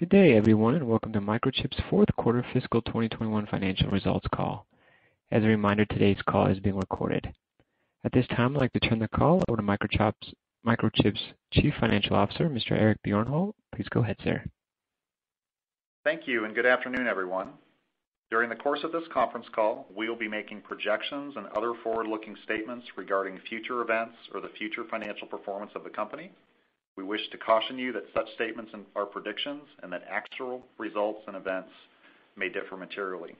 Good day, everyone, and welcome to Microchip's fourth quarter fiscal 2021 financial results call. As a reminder, today's call is being recorded. At this time, I'd like to turn the call over to Microchip's Chief Financial Officer, Mr. Eric Bjornholt. Please go ahead, sir. Thank you, and good afternoon, everyone. During the course of this conference call, we will be making projections and other forward-looking statements regarding future events or the future financial performance of the company. We wish to caution you that such statements are predictions, and that actual results and events may differ materially.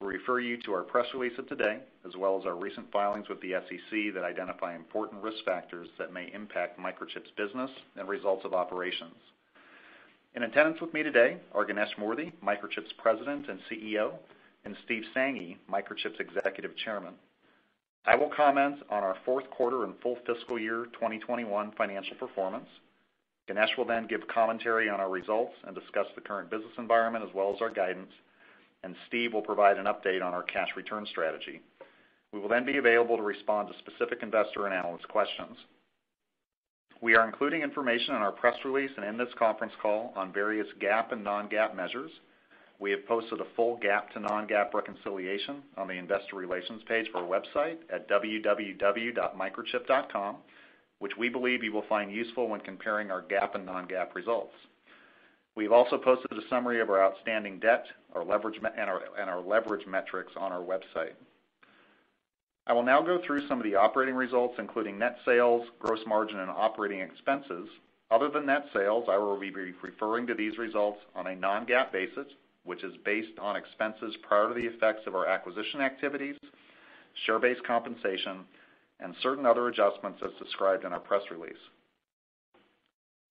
We refer you to our press release of today, as well as our recent filings with the SEC that identify important risk factors that may impact Microchip's business and results of operations. In attendance with me today are Ganesh Moorthy, Microchip's President and CEO, and Steve Sanghi, Microchip's Executive Chairman. I will comment on our fourth quarter and full fiscal year 2021 financial performance. Ganesh will then give commentary on our results and discuss the current business environment as well as our guidance, and Steve will provide an update on our cash return strategy. We will then be available to respond to specific investor and analyst questions. We are including information in our press release and in this conference call on various GAAP and non-GAAP measures. We have posted a full GAAP to non-GAAP reconciliation on the investor relations page of our website at www.microchip.com, which we believe you will find useful when comparing our GAAP and non-GAAP results. We've also posted a summary of our outstanding debt and our leverage metrics on our website. I will now go through some of the operating results, including net sales, gross margin, and operating expenses. Other than net sales, I will be referring to these results on a non-GAAP basis, which is based on expenses prior to the effects of our acquisition activities, share-based compensation, and certain other adjustments as described in our press release.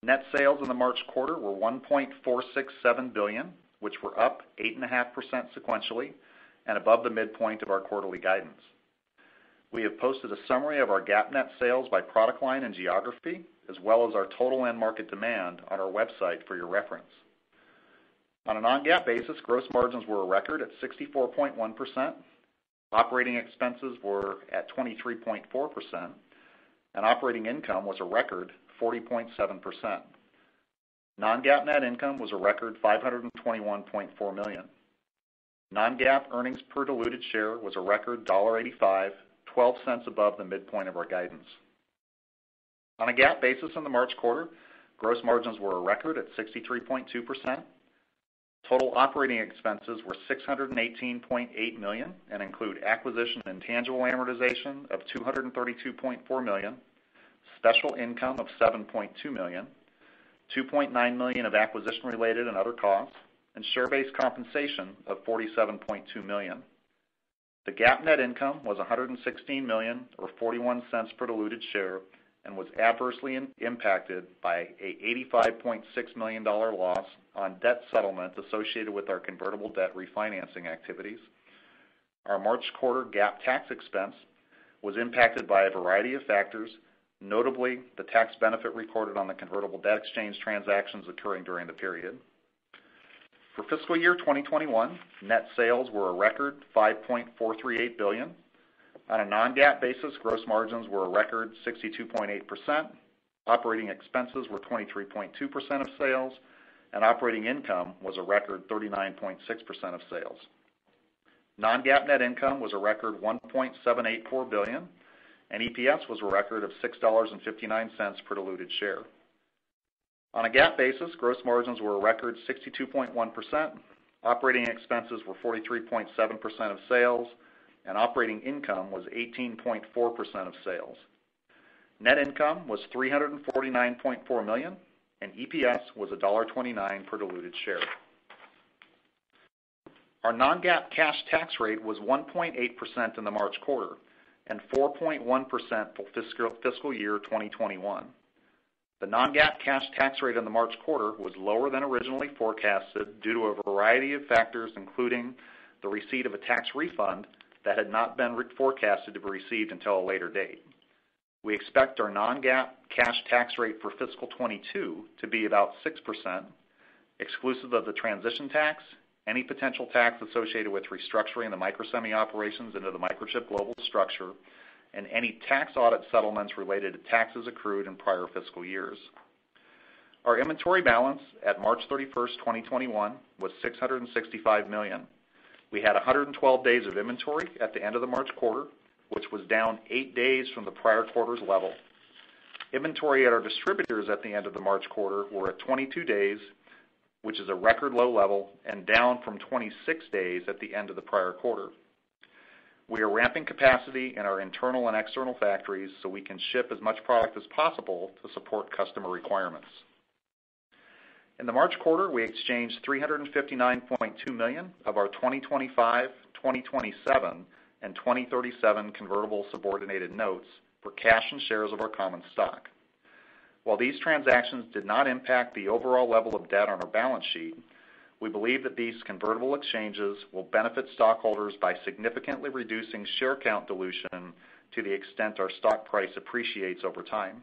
Net sales in the March quarter were $1.467 billion, which were up 8.5% sequentially and above the midpoint of our quarterly guidance. We have posted a summary of our GAAP net sales by product line and geography, as well as our total end market demand on our website for your reference. On a non-GAAP basis, gross margins were a record at 64.1%, operating expenses were at 23.4%, and operating income was a record 40.7%. Non-GAAP net income was a record $521.4 million. Non-GAAP earnings per diluted share was a record $1.85, $0.12 above the midpoint of our guidance. On a GAAP basis in the March quarter, gross margins were a record at 63.2%. Total operating expenses were $618.8 million and include acquisition intangible amortization of $232.4 million, special income of $7.2 million, $2.9 million of acquisition-related and other costs, and share-based compensation of $47.2 million. The GAAP net income was $116 million or $0.41 per diluted share and was adversely impacted by a $85.6 million loss on debt settlements associated with our convertible debt refinancing activities. Our March quarter GAAP tax expense was impacted by a variety of factors, notably the tax benefit recorded on the convertible debt exchange transactions occurring during the period. For fiscal year 2021, net sales were a record $5.438 billion. On a non-GAAP basis, gross margins were a record 62.8%, operating expenses were 23.2% of sales, and operating income was a record 39.6% of sales. Non-GAAP net income was a record $1.784 billion, and EPS was a record of $6.59 per diluted share. On a GAAP basis, gross margins were a record 62.1%, operating expenses were 43.7% of sales, and operating income was 18.4% of sales. Net income was $349.4 million, and EPS was $1.29 per diluted share. Our non-GAAP cash tax rate was 1.8% in the March quarter and 4.1% for fiscal year 2021. The non-GAAP cash tax rate in the March quarter was lower than originally forecasted due to a variety of factors, including the receipt of a tax refund that had not been forecasted to be received until a later date. We expect our non-GAAP cash tax rate for fiscal 2022 to be about 6%, exclusive of the transition tax, any potential tax associated with restructuring the Microsemi operations into the Microchip global structure, and any tax audit settlements related to taxes accrued in prior fiscal years. Our inventory balance at March 31st, 2021, was $665 million. We had 112 days of inventory at the end of the March quarter, which was down eight days from the prior quarter's level. Inventory at our distributors at the end of the March quarter were at 22 days, which is a record low level and down from 26 days at the end of the prior quarter. We are ramping capacity in our internal and external factories so we can ship as much product as possible to support customer requirements. In the March quarter, we exchanged $359.2 million of our 2025, 2027, and 2037 convertible subordinated notes for cash and shares of our common stock. While these transactions did not impact the overall level of debt on our balance sheet, we believe that these convertible exchanges will benefit stockholders by significantly reducing share count dilution to the extent our stock price appreciates over time.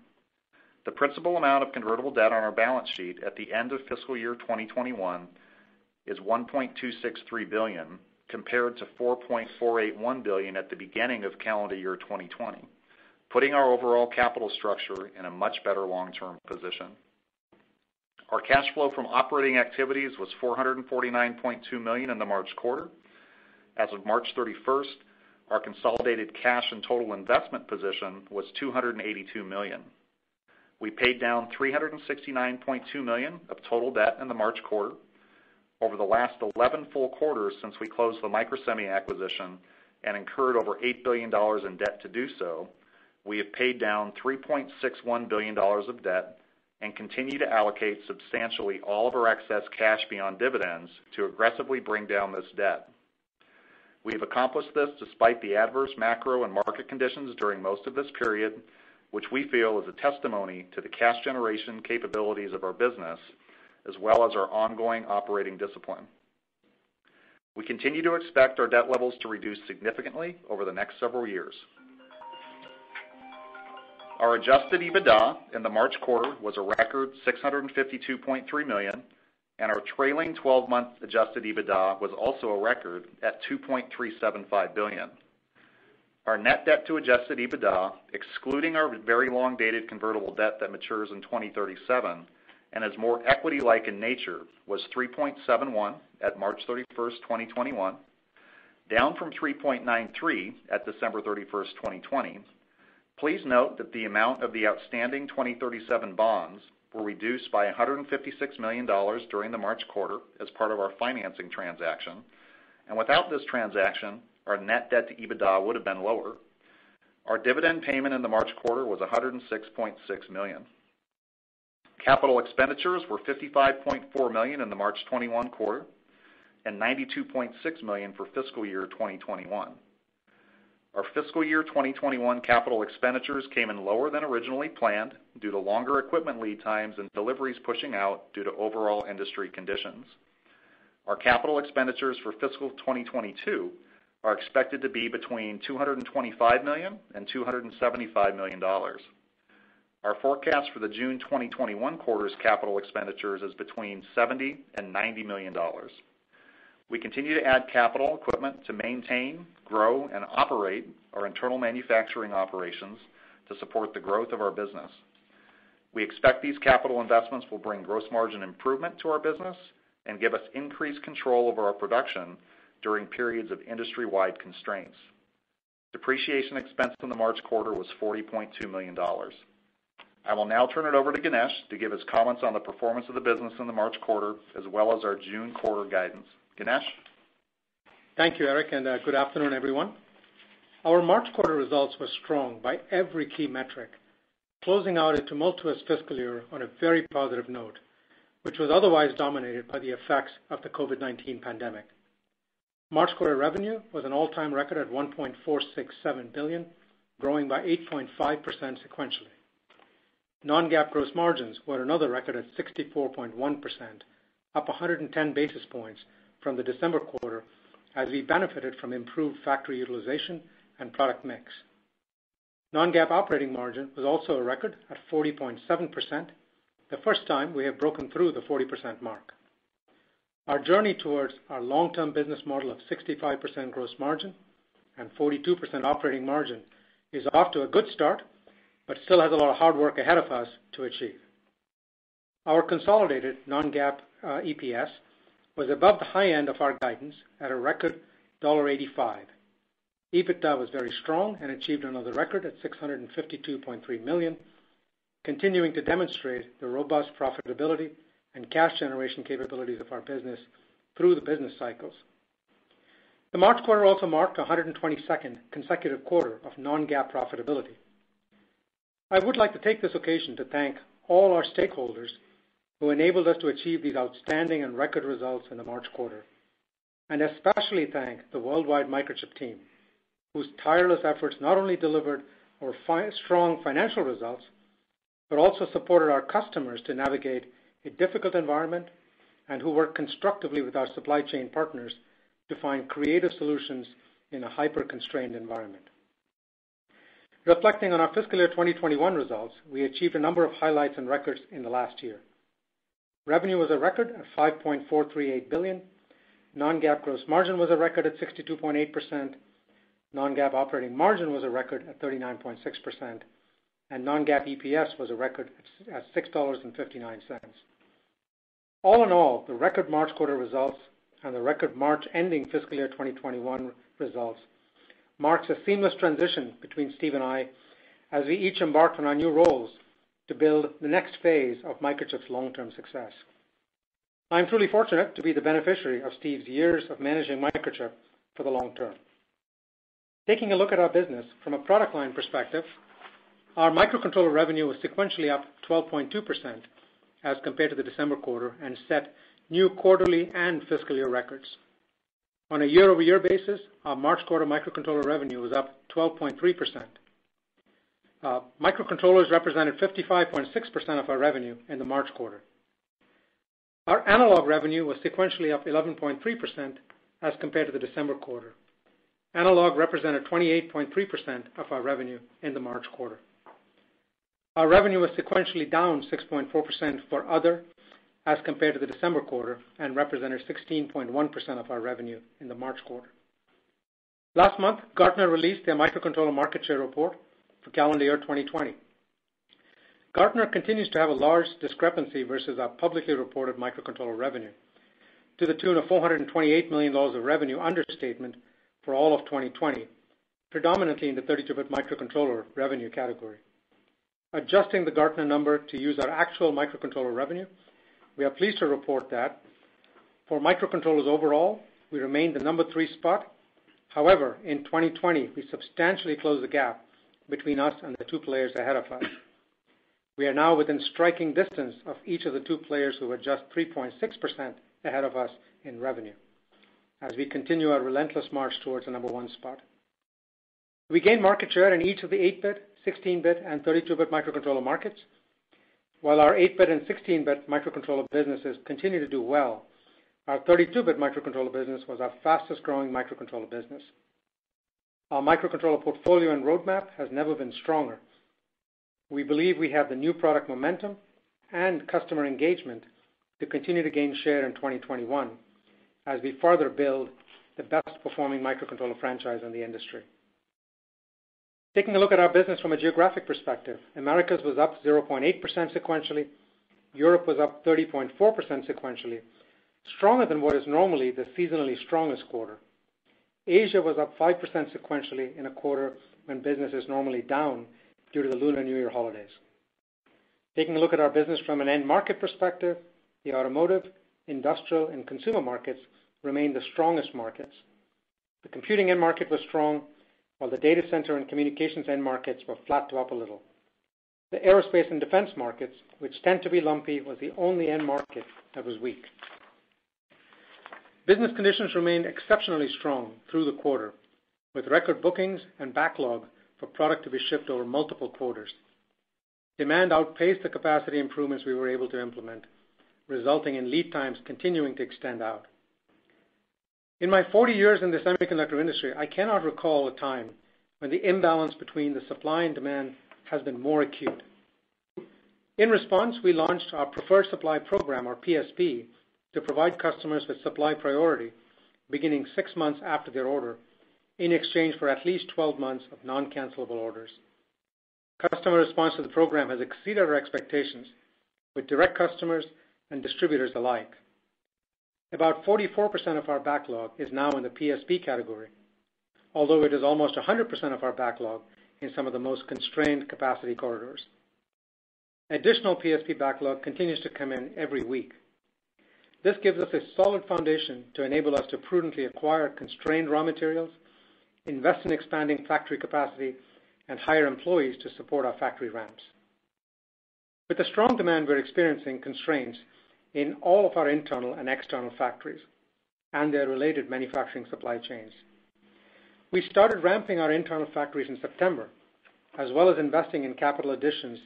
The principal amount of convertible debt on our balance sheet at the end of fiscal year 2021 is $1.263 billion compared to $4.481 billion at the beginning of calendar year 2020, putting our overall capital structure in a much better long-term position. Our cash flow from operating activities was $449.2 million in the March quarter. As of March 31st, our consolidated cash and total investment position was $282 million. We paid down $369.2 million of total debt in the March quarter. Over the last 11 full quarters since we closed the Microsemi acquisition and incurred over $8 billion in debt to do so, we have paid down $3.61 billion of debt and continue to allocate substantially all of our excess cash beyond dividends to aggressively bring down this debt. We have accomplished this despite the adverse macro and market conditions during most of this period, which we feel is a testimony to the cash generation capabilities of our business, as well as our ongoing operating discipline. We continue to expect our debt levels to reduce significantly over the next several years. Our adjusted EBITDA in the March quarter was a record $652.3 million, and our trailing 12-month adjusted EBITDA was also a record at $2.375 billion. Our net debt to adjusted EBITDA, excluding our very long-dated convertible debt that matures in 2037 and is more equity-like in nature, was 3.71 at March 31, 2021, down from 3.93 at December 31, 2020. Please note that the amount of the outstanding 2037 bonds were reduced by $156 million during the March quarter as part of our financing transaction. Without this transaction, our net debt to EBITDA would have been lower. Our dividend payment in the March quarter was $106.6 million. Capital expenditures were $55.4 million in the March 2021 quarter and $92.6 million for fiscal year 2021. Our fiscal year 2021 capital expenditures came in lower than originally planned due to longer equipment lead times and deliveries pushing out due to overall industry conditions. Our capital expenditures for fiscal year 2022 are expected to be between $225 million and $275 million. Our forecast for the June 2021 quarter's capital expenditures is between $70 million and $90 million. We continue to add capital equipment to maintain, grow, and operate our internal manufacturing operations to support the growth of our business. We expect these capital investments will bring gross margin improvement to our business and give us increased control over our production during periods of industry-wide constraints. Depreciation expense in the March quarter was $40.2 million. I will now turn it over to Ganesh to give his comments on the performance of the business in the March quarter, as well as our June quarter guidance. Ganesh? Thank you, Eric, and good afternoon, everyone. Our March quarter results were strong by every key metric, closing out a tumultuous fiscal year on a very positive note, which was otherwise dominated by the effects of the COVID-19 pandemic. March quarter revenue was an all-time record at $1.467 billion, growing by 8.5% sequentially. Non-GAAP gross margins were another record at 64.1%, up 110 basis points from the December quarter as we benefited from improved factory utilization and product mix. Non-GAAP operating margin was also a record at 40.7%, the first time we have broken through the 40% mark. Our journey towards our long-term business model of 65% gross margin and 42% operating margin is off to a good start, but still has a lot of hard work ahead of us to achieve. Our consolidated non-GAAP EPS was above the high end of our guidance at a record $1.85. EBITDA was very strong and achieved another record at $652.3 million, continuing to demonstrate the robust profitability and cash generation capabilities of our business through the business cycles. The March quarter also marked 122nd consecutive quarter of non-GAAP profitability. I would like to take this occasion to thank all our stakeholders who enabled us to achieve these outstanding and record results in the March quarter. Especially thank the worldwide Microchip team, whose tireless efforts not only delivered our strong financial results, but also supported our customers to navigate a difficult environment and who work constructively with our supply chain partners to find creative solutions in a hyper-constrained environment. Reflecting on our fiscal year 2021 results, we achieved a number of highlights and records in the last year. Revenue was a record at $5.438 billion. Non-GAAP gross margin was a record at 62.8%. Non-GAAP operating margin was a record at 39.6%, and non-GAAP EPS was a record at $6.59. All in all, the record March quarter results and the record March ending fiscal year 2021 results marks a seamless transition between Steve and I as we each embark on our new roles to build the next phase of Microchip's long-term success. I'm truly fortunate to be the beneficiary of Steve's years of managing Microchip for the long term. Taking a look at our business from a product line perspective, our microcontroller revenue was sequentially up 12.2% as compared to the December quarter and set new quarterly and fiscal year records. On a year-over-year basis, our March quarter microcontroller revenue was up 12.3%. Microcontrollers represented 55.6% of our revenue in the March quarter. Our analog revenue was sequentially up 11.3% as compared to the December quarter. Analog represented 28.3% of our revenue in the March quarter. Our revenue was sequentially down 6.4% for other, as compared to the December quarter, and represented 16.1% of our revenue in the March quarter. Last month, Gartner released their microcontroller market share report for calendar year 2020. Gartner continues to have a large discrepancy versus our publicly reported microcontroller revenue to the tune of $428 million of revenue understatement for all of 2020, predominantly in the 32-bit microcontroller revenue category. Adjusting the Gartner number to use our actual microcontroller revenue, we are pleased to report that for microcontrollers overall, we remain the number three spot. However, in 2020, we substantially closed the gap between us and the two players ahead of us. We are now within striking distance of each of the two players who are just 3.6% ahead of us in revenue as we continue our relentless march towards the number one spot. We gained market share in each of the 8 bit, 16 bit, and 32 bit microcontroller markets. While our 8 bit and 16 bit microcontroller businesses continue to do well, our 32 bit microcontroller business was our fastest growing microcontroller business. Our microcontroller portfolio and roadmap has never been stronger. We believe we have the new product momentum and customer engagement to continue to gain share in 2021 as we further build the best performing microcontroller franchise in the industry. Taking a look at our business from a geographic perspective, Americas was up 0.8% sequentially. Europe was up 30.4% sequentially, stronger than what is normally the seasonally strongest quarter. Asia was up 5% sequentially in a quarter when business is normally down due to the Lunar New Year holidays. Taking a look at our business from an end market perspective, the automotive, industrial, and consumer markets remain the strongest markets. The computing end market was strong, while the data center and communications end markets were flat to up a little. The aerospace and defense markets, which tend to be lumpy, was the only end market that was weak. Business conditions remained exceptionally strong through the quarter, with record bookings and backlog for product to be shipped over multiple quarters. Demand outpaced the capacity improvements we were able to implement, resulting in lead times continuing to extend out. In my 40 years in the semiconductor industry, I cannot recall a time when the imbalance between the supply and demand has been more acute. In response, we launched our Preferred Supply Program, or PSP, to provide customers with supply priority beginning six months after their order in exchange for at least 12 months of non-cancelable orders. Customer response to the program has exceeded our expectations with direct customers and distributors alike. About 44% of our backlog is now in the PSP category, although it is almost 100% of our backlog in some of the most constrained capacity corridors. Additional PSP backlog continues to come in every week. This gives us a solid foundation to enable us to prudently acquire constrained raw materials, invest in expanding factory capacity, and hire employees to support our factory ramps. With the strong demand, we're experiencing constraints in all of our internal and external factories and their related manufacturing supply chains. We started ramping our internal factories in September, as well as investing in capital additions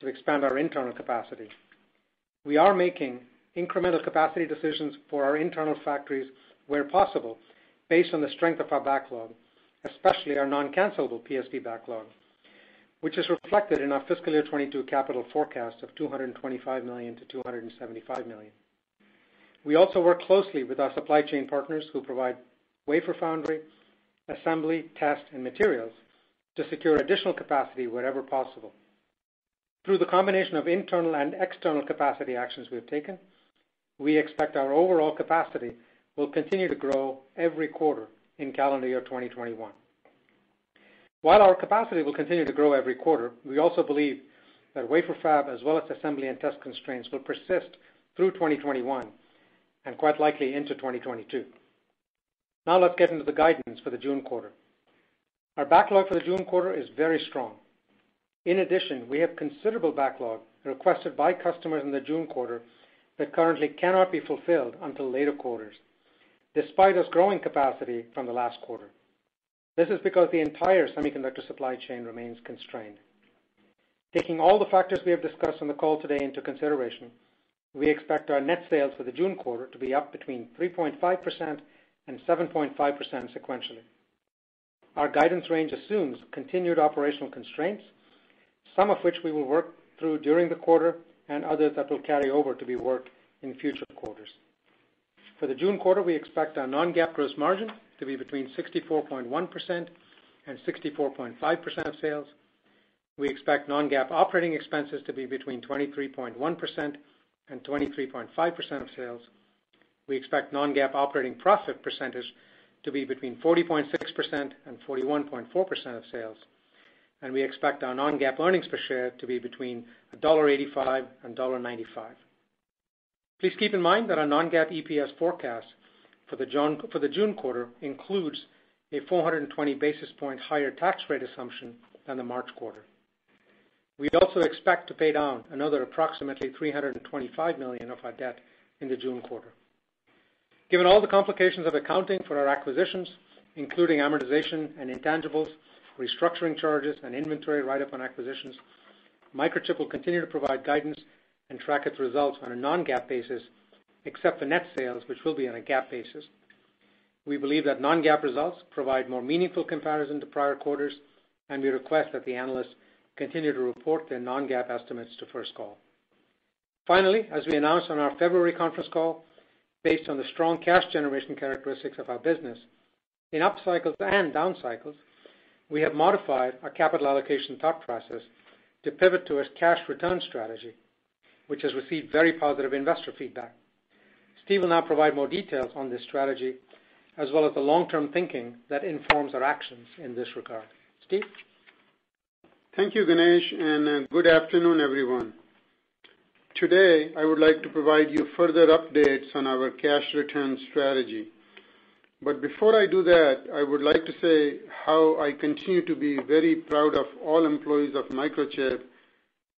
to expand our internal capacity. We are making incremental capacity decisions for our internal factories where possible based on the strength of our backlog, especially our non-cancelable PSP backlog, which is reflected in our fiscal year 2022 capital forecast of $225 million-$275 million. We also work closely with our supply chain partners who provide wafer foundry, assembly, test, and materials to secure additional capacity wherever possible. Through the combination of internal and external capacity actions we've taken, we expect our overall capacity will continue to grow every quarter in calendar year 2021. While our capacity will continue to grow every quarter, we also believe that wafer fab, as well as assembly and test constraints, will persist through 2021 and quite likely into 2022. Now let's get into the guidance for the June quarter. Our backlog for the June quarter is very strong. In addition, we have considerable backlog requested by customers in the June quarter that currently cannot be fulfilled until later quarters, despite us growing capacity from the last quarter. This is because the entire semiconductor supply chain remains constrained. Taking all the factors we have discussed on the call today into consideration, we expect our net sales for the June quarter to be up between 3.5% and 7.5% sequentially. Our guidance range assumes continued operational constraints, some of which we will work through during the quarter and others that will carry over to be worked in future quarters. For the June quarter, we expect our non-GAAP gross margin to be between 64.1% and 64.5% of sales. We expect non-GAAP operating expenses to be between 23.1% and 23.5% of sales. We expect non-GAAP operating profit percentage to be between 40.6% and 41.4% of sales. We expect our non-GAAP earnings per share to be between $1.85 and $1.95. Please keep in mind that our non-GAAP EPS forecast for the June quarter includes a 420 basis point higher tax rate assumption than the March quarter. We also expect to pay down another approximately $325 million of our debt in the June quarter. Given all the complications of accounting for our acquisitions, including amortization and intangibles, restructuring charges, and inventory write-up on acquisitions, Microchip will continue to provide guidance and track its results on a non-GAAP basis, except for net sales, which will be on a GAAP basis. We believe that non-GAAP results provide more meaningful comparison to prior quarters, and we request that the analysts continue to report their non-GAAP estimates to First Call. As we announced on our February conference call, based on the strong cash generation characteristics of our business in up cycles and down cycles, we have modified our capital allocation thought process to pivot to a cash return strategy, which has received very positive investor feedback. Steve will now provide more details on this strategy as well as the long-term thinking that informs our actions in this regard. Steve? Thank you, Ganesh. Good afternoon, everyone. Today, I would like to provide you further updates on our cash return strategy. Before I do that, I would like to say how I continue to be very proud of all employees of Microchip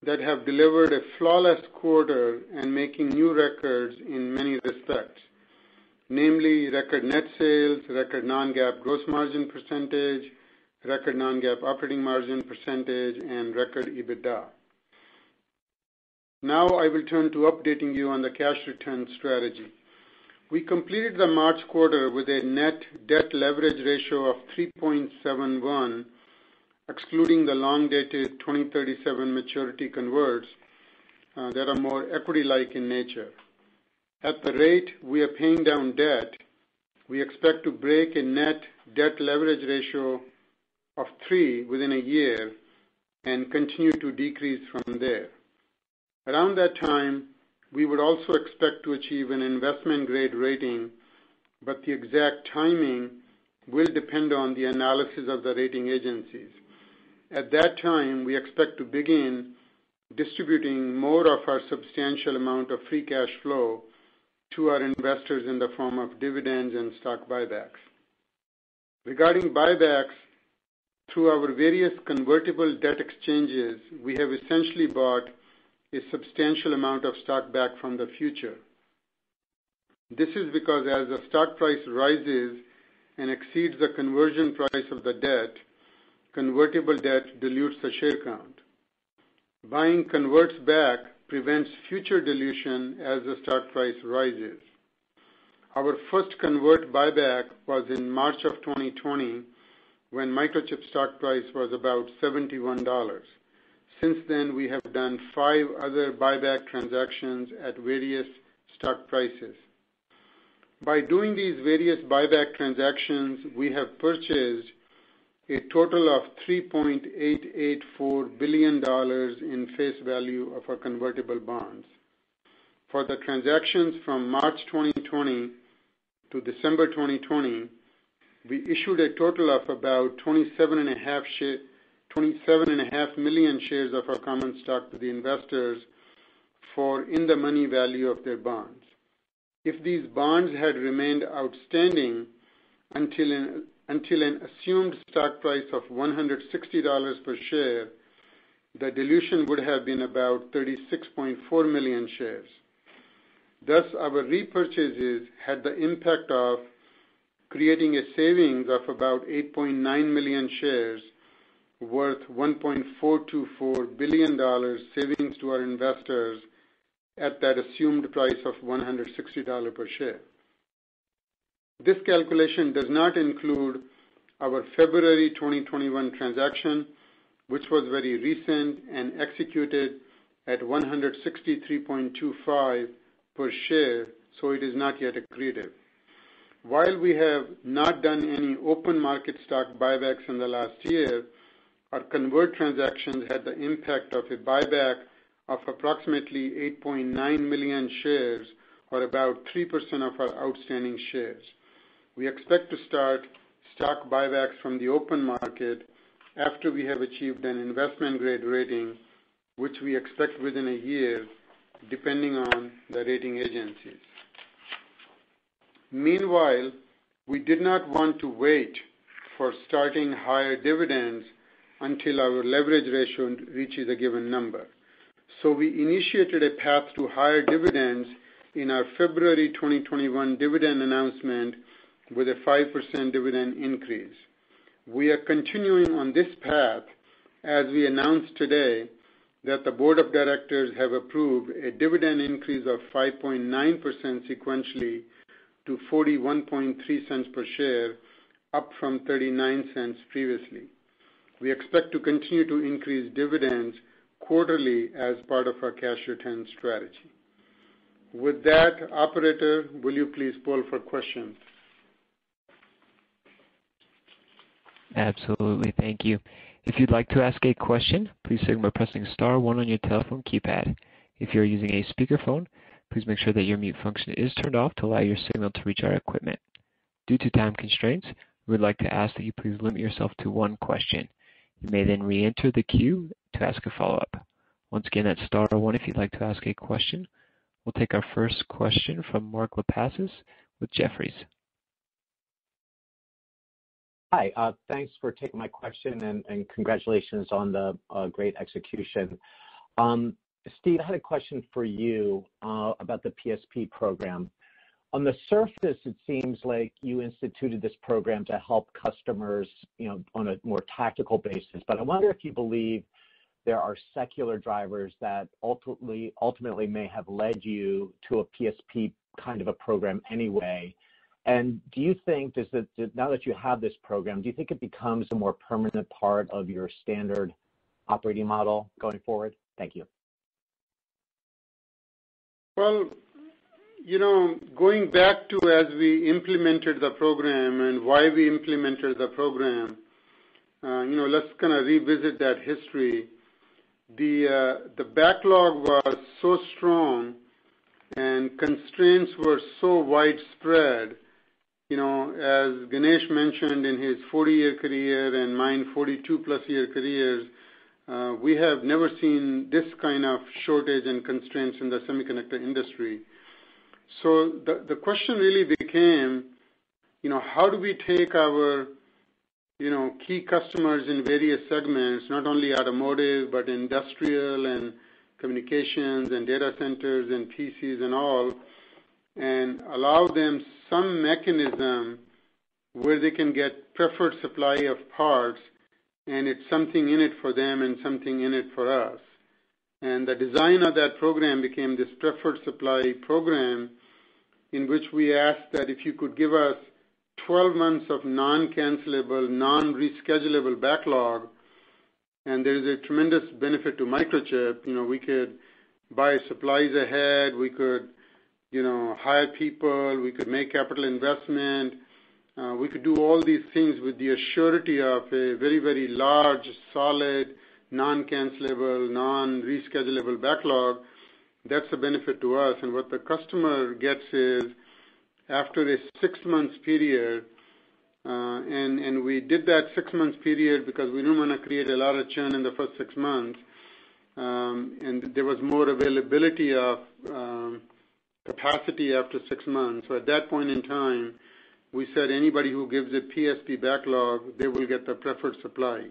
that have delivered a flawless quarter and making new records in many respects. Namely, record net sales, record non-GAAP gross margin percentage, record non-GAAP operating margin percentage, and record EBITDA. Now I will turn to updating you on the cash return strategy. We completed the March quarter with a net debt leverage ratio of 3.71, excluding the long-dated 2037 maturity converts that are more equity-like in nature. At the rate we are paying down debt, we expect to break a net debt leverage ratio of three within a year and continue to decrease from there. Around that time, we would also expect to achieve an investment-grade rating, but the exact timing will depend on the analysis of the rating agencies. At that time, we expect to begin distributing more of our substantial amount of free cash flow to our investors in the form of dividends and stock buybacks. Regarding buybacks, through our various convertible debt exchanges, we have essentially bought a substantial amount of stock back from the future. This is because as the stock price rises and exceeds the conversion price of the debt, convertible debt dilutes the share count. Buying converts back prevents future dilution as the stock price rises. Our first convert buyback was in March of 2020, when Microchip stock price was about $71. Since then, we have done five other buyback transactions at various stock prices. By doing these various buyback transactions, we have purchased a total of $3.884 billion in face value of our convertible bonds. For the transactions from March 2020 to December 2020, we issued a total of about 27.5 million shares of our common stock to the investors for in-the-money value of their bonds. If these bonds had remained outstanding until an assumed stock price of $160 per share, the dilution would have been about 36.4 million shares. Our repurchases had the impact of creating a savings of about 8.9 million shares, worth $1.424 billion savings to our investors at that assumed price of $160 per share. This calculation does not include our February 2021 transaction, which was very recent and executed at $163.25 per share. It is not yet accretive. While we have not done any open market stock buybacks in the last one year, our convert transactions had the impact of a buyback of approximately 8.9 million shares, or about 3% of our outstanding shares. We expect to start stock buybacks from the open market after we have achieved an investment-grade rating, which we expect within a year, depending on the rating agencies. Meanwhile, we did not want to wait for starting higher dividends until our leverage ratio reaches a given number. We initiated a path to higher dividends in our February 2021 dividend announcement with a 5% dividend increase. We are continuing on this path as we announce today that the board of directors have approved a dividend increase of 5.9% sequentially to $0.413 per share, up from $0.39 previously. We expect to continue to increase dividends quarterly as part of our cash return strategy. With that, operator, will you please poll for questions? Absolutely. Thank you. If you'd like to ask a question, please signal by pressing star one on your telephone keypad. If you're using a speakerphone, please make sure that your mute function is turned off to allow your signal to reach our equipment. Due to time constraints, we would like to ask that you please limit yourself to one question. You may then reenter the queue to ask a follow-up. Once again, that's star one if you'd like to ask a question. We'll take our first question from Mark Lipacis with Jefferies. Hi, thanks for taking my question and congratulations on the great execution, Steve. I had a question for you about the PSP program. On the surface, it seems like you instituted this program to help customers on a more tactical basis. I wonder if you believe there are secular drivers that ultimately may have led you to a PSP kind of a program anyway. Do you think, now that you have this program, do you think it becomes a more permanent part of your standard operating model going forward? Thank you. Going back to as we implemented the program and why we implemented the program, let's kind of revisit that history. The backlog was so strong and constraints were so widespread. As Ganesh mentioned, in his 40-year career and my 42-plus year careers, we have never seen this kind of shortage and constraints in the semiconductor industry. The question really became, how do we take our key customers in various segments, not only automotive, but industrial and communications and data centers and PCs and all, and allow them some mechanism where they can get preferred supply of parts, and it's something in it for them and something in it for us. The design of that program became this Preferred Supply Program, in which we asked that if you could give us 12 months of non-cancelable, non-reschedulable backlog, and there is a tremendous benefit to Microchip. We could buy supplies ahead, we could hire people, we could make capital investment. We could do all these things with the assurance of a very, very large, solid, non-cancelable, non-reschedulable backlog. That's the benefit to us. What the customer gets is, after a 6 months period, and we did that 6 months period because we didn't want to create a lot of churn in the first six months, and there was more availability of capacity after 6 months. At that point in time, we said anybody who gives a PSP backlog, they will get the Preferred Supply.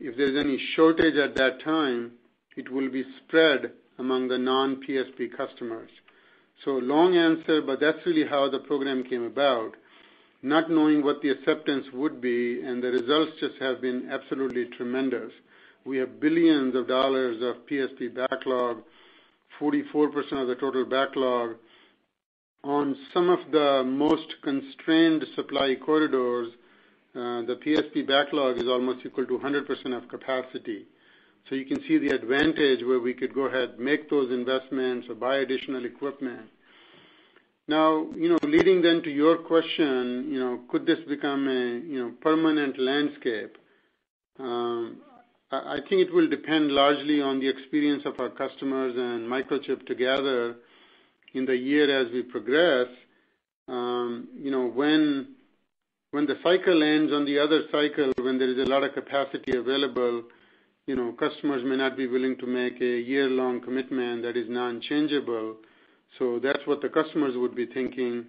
If there's any shortage at that time, it will be spread among the non-PSP customers. Long answer, but that's really how the program came about, not knowing what the acceptance would be, and the results just have been absolutely tremendous. We have billions of dollars of PSP backlog, 44% of the total backlog. On some of the most constrained supply corridors, the PSP backlog is almost equal to 100% of capacity. You can see the advantage where we could go ahead, make those investments or buy additional equipment. Leading then to your question, could this become a permanent landscape? I think it will depend largely on the experience of our customers and Microchip together in the year as we progress. When the cycle ends on the other cycle, when there is a lot of capacity available, customers may not be willing to make a year-long commitment that is non-changeable. That's what the customers would be thinking.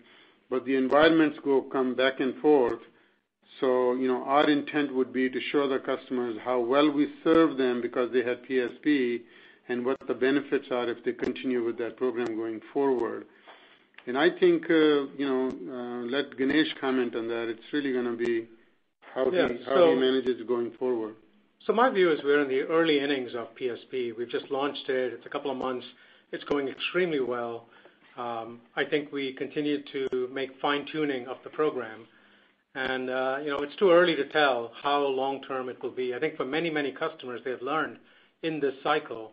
The environments will come back and forth, so our intent would be to show the customers how well we serve them because they had PSP and what the benefits are if they continue with that program going forward. I think, let Ganesh comment on that. It's really going to be how we manage it going forward. My view is we're in the early innings of PSP. We've just launched it. It's a couple of months. It's going extremely well. I think we continue to make fine-tuning of the program. It's too early to tell how long-term it will be. I think for many, many customers, they've learned in this cycle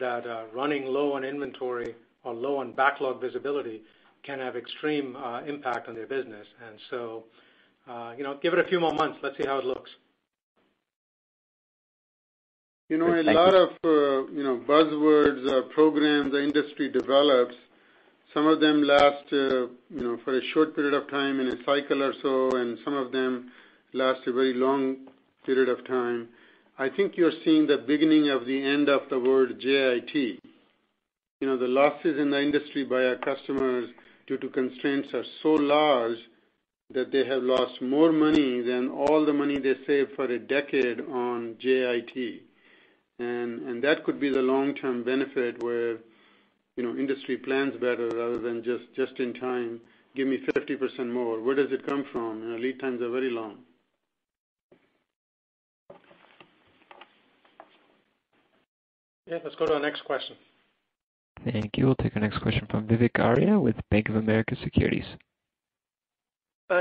that running low on inventory or low on backlog visibility can have extreme impact on their business. Give it a few more months. Let's see how it looks. Thank you. A lot of buzzwords, programs the industry develops, some of them last for a short period of time in a cycle or so, and some of them last a very long period of time. I think you're seeing the beginning of the end of the word JIT. The losses in the industry by our customers due to constraints are so large that they have lost more money than all the money they saved for a decade on JIT. That could be the long-term benefit where industry plans better rather than just in time, give me 50% more. Where does it come from? Lead times are very long. Yeah, let's go to our next question. Thank you. We'll take our next question from Vivek Arya with Bank of America Securities.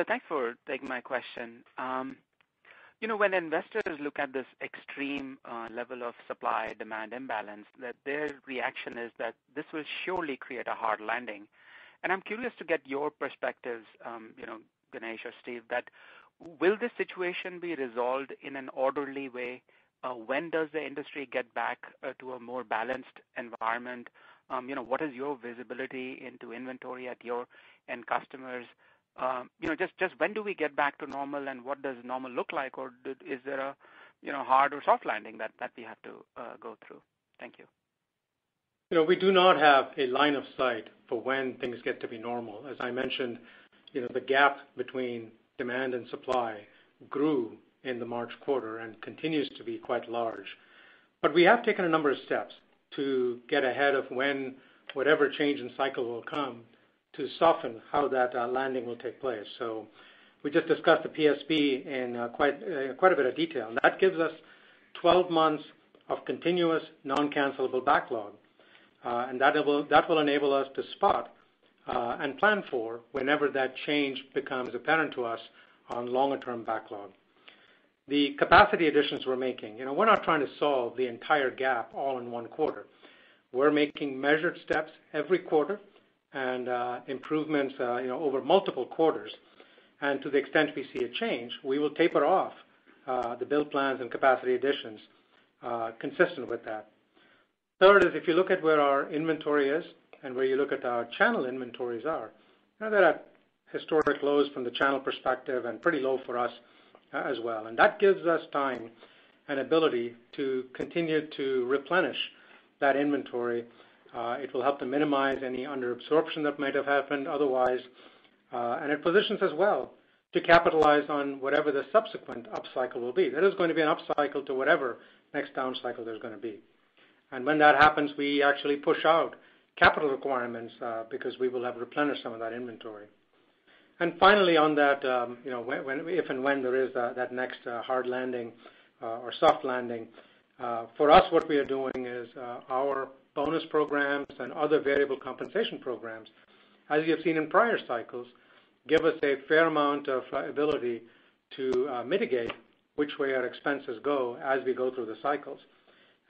Thanks for taking my question. When investors look at this extreme level of supply-demand imbalance, their reaction is that this will surely create a hard landing. I'm curious to get your perspectives, Ganesh or Steve. Will this situation be resolved in an orderly way? When does the industry get back to a more balanced environment? What is your visibility into inventory at your end customers? Just when do we get back to normal and what does normal look like? Is there a hard or soft landing that we have to go through? Thank you. We do not have a line of sight for when things get to be normal. As I mentioned, the gap between demand and supply grew in the March quarter and continues to be quite large. We have taken a number of steps to get ahead of when whatever change in cycle will come, to soften how that landing will take place. We just discussed the PSP in quite a bit of detail, and that gives us 12 months of continuous non-cancelable backlog. That will enable us to spot, and plan for, whenever that change becomes apparent to us on longer term backlog. The capacity additions we're making. We're not trying to solve the entire gap all in one quarter. We're making measured steps every quarter, and improvements over multiple quarters. To the extent we see a change, we will taper off the build plans and capacity additions, consistent with that. Third is, if you look at where our inventory is and where you look at our channel inventories are, they are at historic lows from the channel perspective and pretty low for us as well. That gives us time and ability to continue to replenish that inventory. It will help to minimize any under-absorption that might have happened otherwise. It positions us well to capitalize on whatever the subsequent upcycle will be. There's going to be an upcycle to whatever next down cycle there's going to be. When that happens, we actually push out capital requirements, because we will have replenished some of that inventory. Finally, on that, if and when there is that next hard landing or soft landing, for us, what we are doing is our bonus programs and other variable compensation programs, as you have seen in prior cycles, give us a fair amount of ability to mitigate which way our expenses go as we go through the cycles.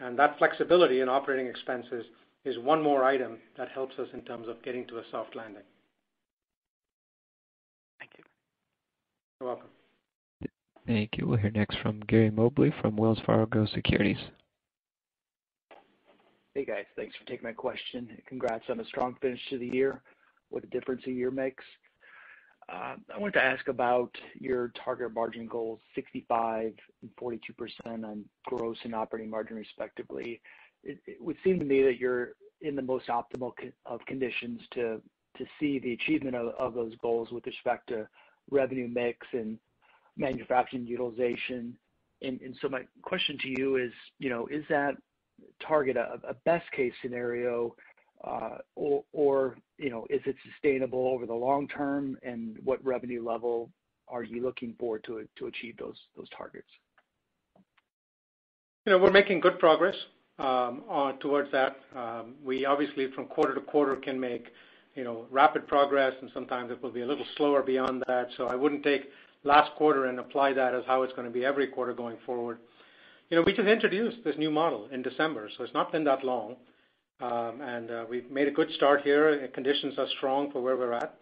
That flexibility in operating expenses is one more item that helps us in terms of getting to a soft landing. Thank you. You're welcome. Thank you. We'll hear next from Gary Mobley from Wells Fargo Securities. Hey, guys. Thanks for taking my question. Congrats on a strong finish to the year. What a difference a year makes. I wanted to ask about your target margin goals, 65% and 42% on gross and operating margin, respectively. It would seem to me that you're in the most optimal of conditions to see the achievement of those goals with respect to revenue mix and manufacturing utilization. My question to you is that target a best case scenario, or is it sustainable over the long term? What revenue level are you looking for to achieve those targets? We're making good progress towards that. We obviously, from quarter to quarter, can make rapid progress and sometimes it will be a little slower beyond that. I wouldn't take last quarter and apply that as how it's going to be every quarter going forward. We just introduced this new model in December, so it's not been that long. We've made a good start here. Conditions are strong for where we're at.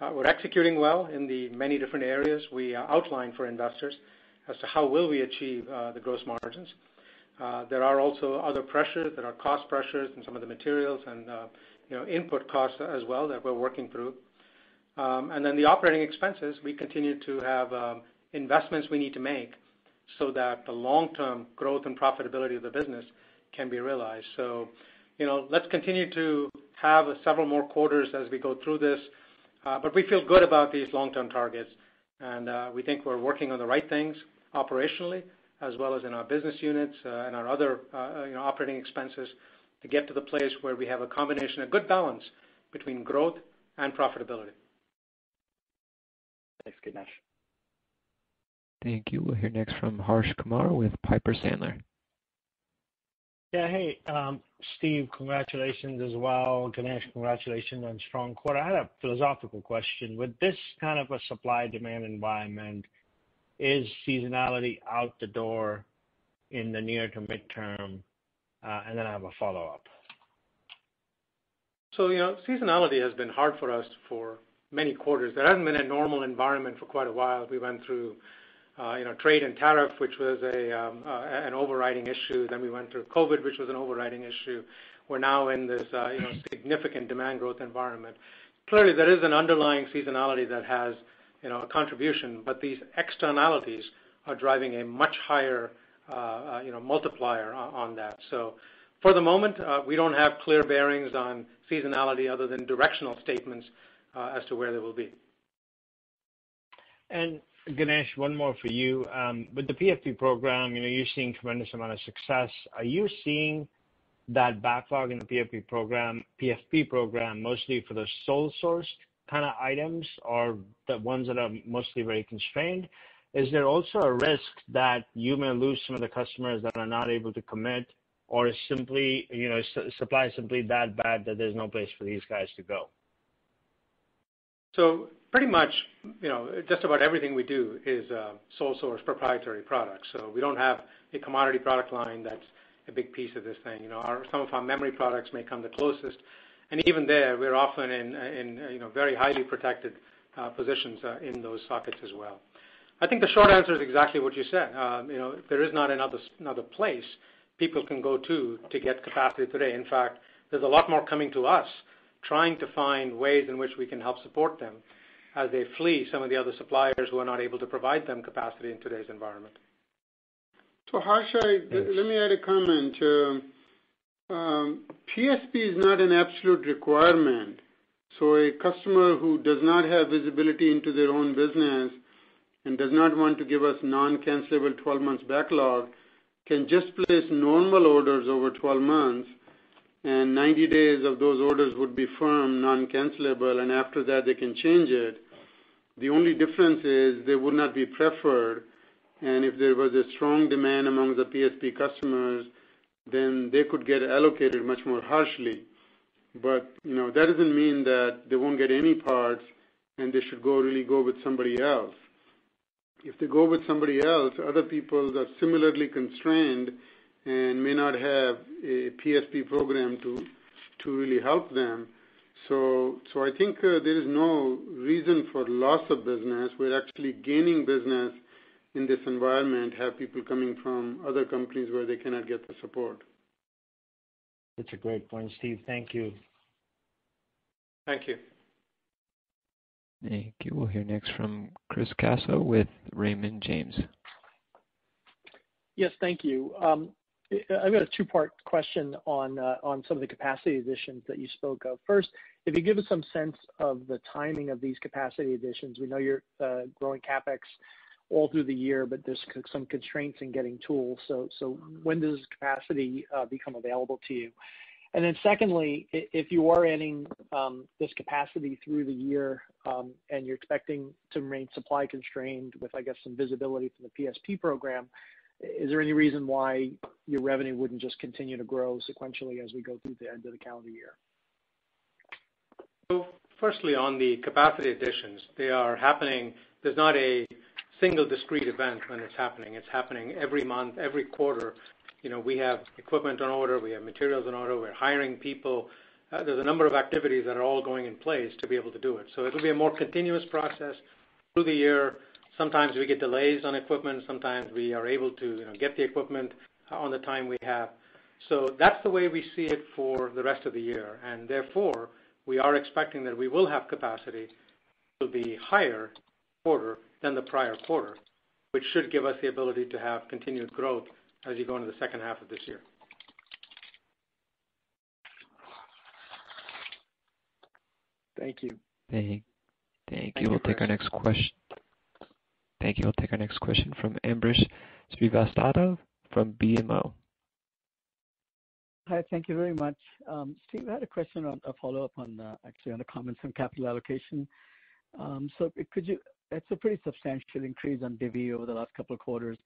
We're executing well in the many different areas we outlined for investors as to how will we achieve the gross margins. There are also other pressures. There are cost pressures in some of the materials and input costs as well that we're working through. The operating expenses, we continue to have investments we need to make so that the long-term growth and profitability of the business can be realized. Let's continue to have several more quarters as we go through this, but we feel good about these long-term targets. We think we're working on the right things operationally, as well as in our business units and our other operating expenses to get to the place where we have a combination, a good balance between growth and profitability. Thanks, Ganesh. Thank you. We'll hear next from Harsh Kumar with Piper Sandler. Hey, Steve, congratulations as well. Ganesh, congratulations on a strong quarter. I had a philosophical question. With this kind of a supply-demand environment, is seasonality out the door in the near to midterm? I have a follow-up. Seasonality has been hard for us for many quarters. There hasn't been a normal environment for quite a while. We went through trade and tariff, which was an overriding issue. We went through COVID, which was an overriding issue. We're now in this significant demand growth environment. Clearly, there is an underlying seasonality that has a contribution, but these externalities are driving a much higher multiplier on that. For the moment, we don't have clear bearings on seasonality other than directional statements as to where they will be. Ganesh, one more for you. With the PSP program, you're seeing tremendous amount of success. Are you seeing that backlog in the PSP program mostly for the sole source kind of items, or the ones that are mostly very constrained? Is there also a risk that you may lose some of the customers that are not able to commit, or is supply simply that bad that there's no place for these guys to go? Pretty much, just about everything we do is sole source proprietary products. We don't have a commodity product line that's a big piece of this thing. Some of our memory products may come the closest, and even there, we're often in very highly protected positions in those sockets as well. I think the short answer is exactly what you said. There is not another place people can go to get capacity today. In fact, there's a lot more coming to us trying to find ways in which we can help support them as they flee some of the other suppliers who are not able to provide them capacity in today's environment. Harsh Kumar, let me add a comment. PSP is not an absolute requirement. A customer who does not have visibility into their own business and does not want to give us non-cancelable 12 months backlog can just place normal orders over 12 months and 90 days of those orders would be firm non-cancelable, and after that they can change it. The only difference is they would not be preferred, and if there was a strong demand among the PSP customers, then they could get allocated much more harshly. That doesn't mean that they won't get any parts and they should really go with somebody else. If they go with somebody else, other people that similarly constrained and may not have a PSP program to really help them. I think there is no reason for loss of business. We're actually gaining business in this environment, have people coming from other companies where they cannot get the support. That's a great point, Steve. Thank you. Thank you. Thank you. We'll hear next from Chris Caso with Raymond James. Yes, thank you. I've got a two-part question on some of the capacity additions that you spoke of. First, if you give us some sense of the timing of these capacity additions, we know you're growing CapEx all through the year, but there's some constraints in getting tools. When does capacity become available to you? Secondly, if you are adding this capacity through the year, and you're expecting to remain supply constrained with, I guess, some visibility from the PSP program, is there any reason why your revenue wouldn't just continue to grow sequentially as we go through the end of the calendar year? Firstly, on the capacity additions, they are happening. There's not a single discrete event when it's happening. It's happening every month, every quarter. We have equipment on order, we have materials on order, we're hiring people. There's a number of activities that are all going in place to be able to do it. It'll be a more continuous process through the year. Sometimes we get delays on equipment, sometimes we are able to get the equipment on the time we have. That's the way we see it for the rest of the year, and therefore we are expecting that we will have capacity to be higher quarter than the prior quarter, which should give us the ability to have continued growth as you go into the second half of this year. Thank you. Thank you. Thank you, Chris. We'll take our next question from Ambrish Srivastava from BMO. Hi. Thank you very much. Steve, I had a question on a follow-up on, actually on the comments on capital allocation. That's a pretty substantial increase on divvy over the last couple of quarters.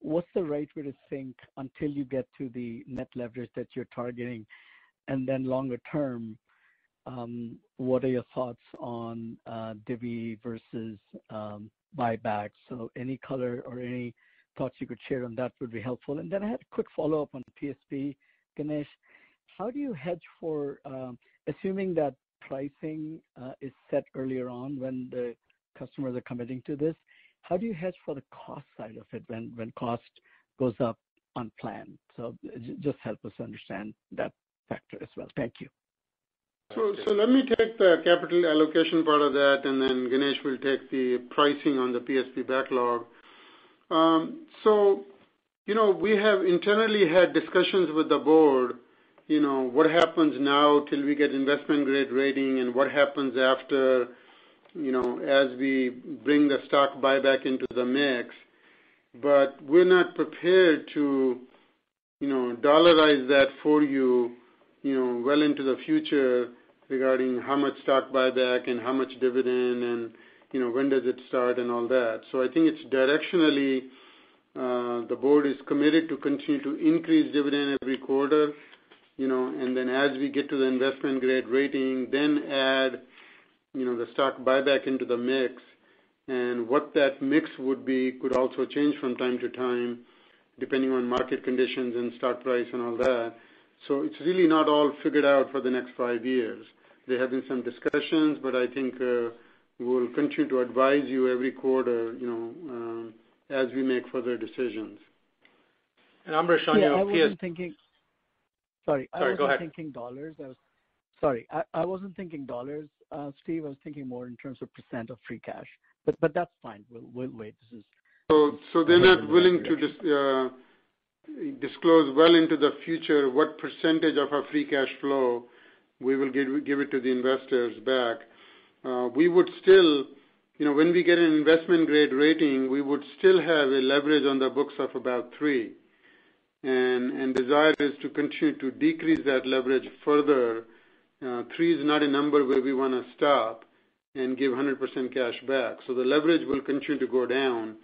What's the right way to think until you get to the net leverage that you're targeting? Longer term, what are your thoughts on divvy versus buyback? Any color or any thoughts you could share on that would be helpful. I had a quick follow-up on PSP. Ganesh, assuming that pricing is set earlier on when the customers are committing to this, how do you hedge for the cost side of it when cost goes up on plan? Just help us understand that factor as well. Thank you. Let me take the capital allocation part of that, and then Ganesh will take the pricing on the PSP backlog. We have internally had discussions with the board, what happens now till we get investment-grade rating and what happens after as we bring the stock buyback into the mix. We're not prepared to dollarize that for you well into the future regarding how much stock buyback and how much dividend and when does it start and all that. I think it's directionally, the board is committed to continue to increase dividend every quarter, and then as we get to the investment-grade rating, then add the stock buyback into the mix. What that mix would be could also change from time to time, depending on market conditions and stock price and all that. It's really not all figured out for the next five years. There have been some discussions, but I think we will continue to advise you every quarter as we make further decisions Ambrish on your PSP. Yeah, I wasn't thinking. Sorry. Sorry, go ahead. I wasn't thinking dollars. Sorry, I wasn't thinking dollars, Steve. I was thinking more in terms of % of free cash, but that's fine. We'll wait. They're not willing to disclose well into the future what percentage of our free cash flow we will give it to the investors back. When we get an investment-grade rating, we would still have a leverage on the books of about three, and desire is to continue to decrease that leverage further. Three is not a number where we want to stop and give 100% cash back. The leverage will continue to go down,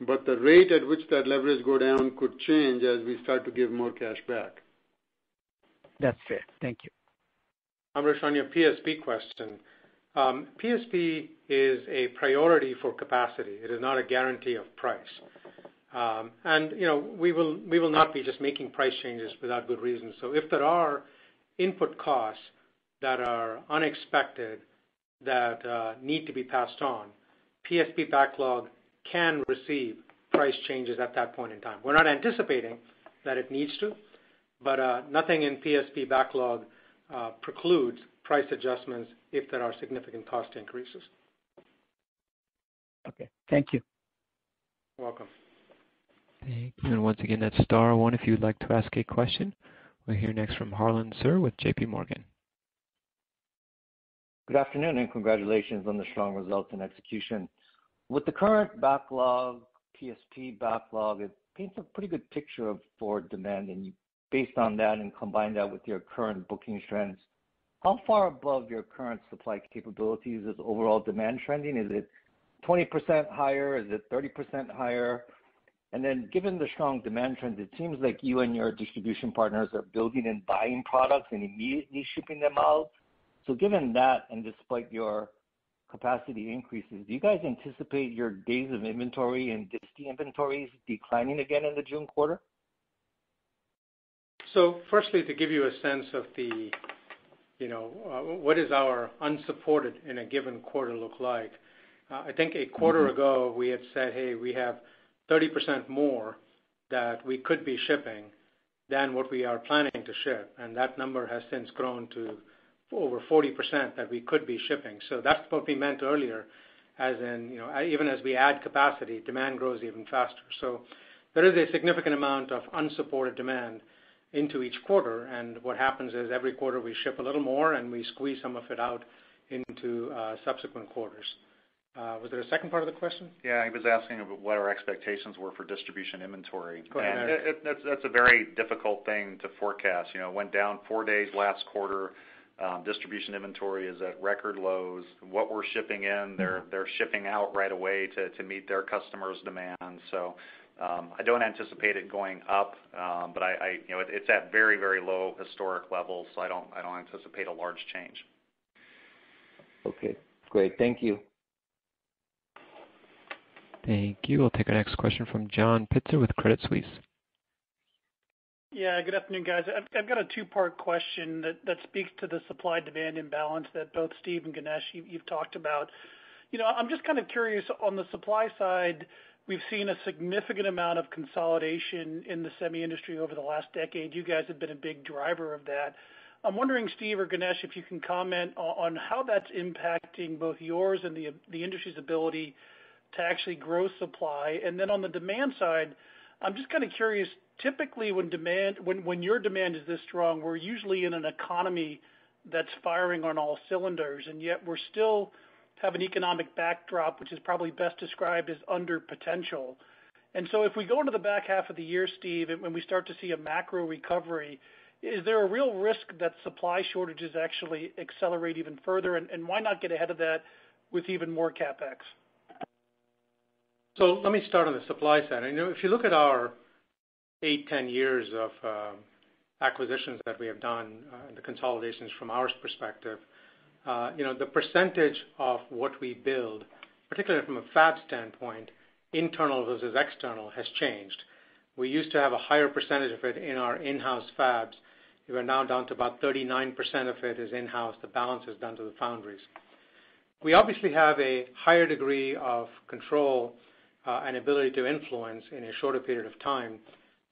but the rate at which that leverage go down could change as we start to give more cash back. That's fair. Thank you. Ambrish on your PSP question. PSP is a priority for capacity. It is not a guarantee of price. We will not be just making price changes without good reason. If there are input costs that are unexpected that need to be passed on, PSP backlog can receive price changes at that point in time. We're not anticipating that it needs to, but nothing in PSP backlog precludes price adjustments if there are significant cost increases. Okay. Thank you. You're welcome. Thank you. Once again, that's star one if you'd like to ask a question. We'll hear next from Harlan Sur with JPMorgan. Good afternoon, and congratulations on the strong results and execution. With the current PSP backlog, it paints a pretty good picture of forward demand. Based on that and combine that with your current booking trends, how far above your current supply capabilities is overall demand trending? Is it 20% higher? Is it 30% higher? Given the strong demand trends, it seems like you and your distribution partners are building and buying products and immediately shipping them out. Given that, and despite your capacity increases, do you guys anticipate your days of inventory and disty inventories declining again in the June quarter? Firstly, to give you a sense of what is our unsupported in a given quarter look like, I think a quarter ago we had said, "Hey, we have 30% more that we could be shipping than what we are planning to ship." That number has since grown to over 40% that we could be shipping. That's what we meant earlier as in, even as we add capacity, demand grows even faster. There is a significant amount of unsupported demand into each quarter, and what happens is every quarter we ship a little more, and we squeeze some of it out into subsequent quarters. Was there a second part of the question? Yeah. He was asking what our expectations were for distribution inventory. Go ahead. That's a very difficult thing to forecast. It went down four days last quarter. Distribution inventory is at record lows. What we're shipping in, they're shipping out right away to meet their customers' demands. I don't anticipate it going up. It's at very low historic levels, so I don't anticipate a large change. Okay, great. Thank you. Thank you. We'll take our next question from John Pitzer with Credit Suisse. Yeah. Good afternoon, guys. I've got a two-part question that speaks to the supply-demand imbalance that both Steve and Ganesh, you've talked about. I'm just kind of curious, on the supply side, we've seen a significant amount of consolidation in the semi industry over the last decade. You guys have been a big driver of that. I'm wondering, Steve or Ganesh, if you can comment on how that's impacting both yours and the industry's ability to actually grow supply. On the demand side, I'm just kind of curious, typically, when your demand is this strong, we're usually in an economy that's firing on all cylinders, and yet we still have an economic backdrop which is probably best described as under potential. If we go into the back half of the year, Steve, and when we start to see a macro recovery, is there a real risk that supply shortages actually accelerate even further? Why not get ahead of that with even more CapEx? Let me start on the supply side. If you look at our eight, 10 years of acquisitions that we have done, and the consolidations from our perspective, the percentage of what we build, particularly from a fab standpoint, internal versus external, has changed. We used to have a higher percentage of it in our in-house fabs. We are now down to about 39% of it is in-house. The balance is down to the foundries. We obviously have a higher degree of control and ability to influence in a shorter period of time,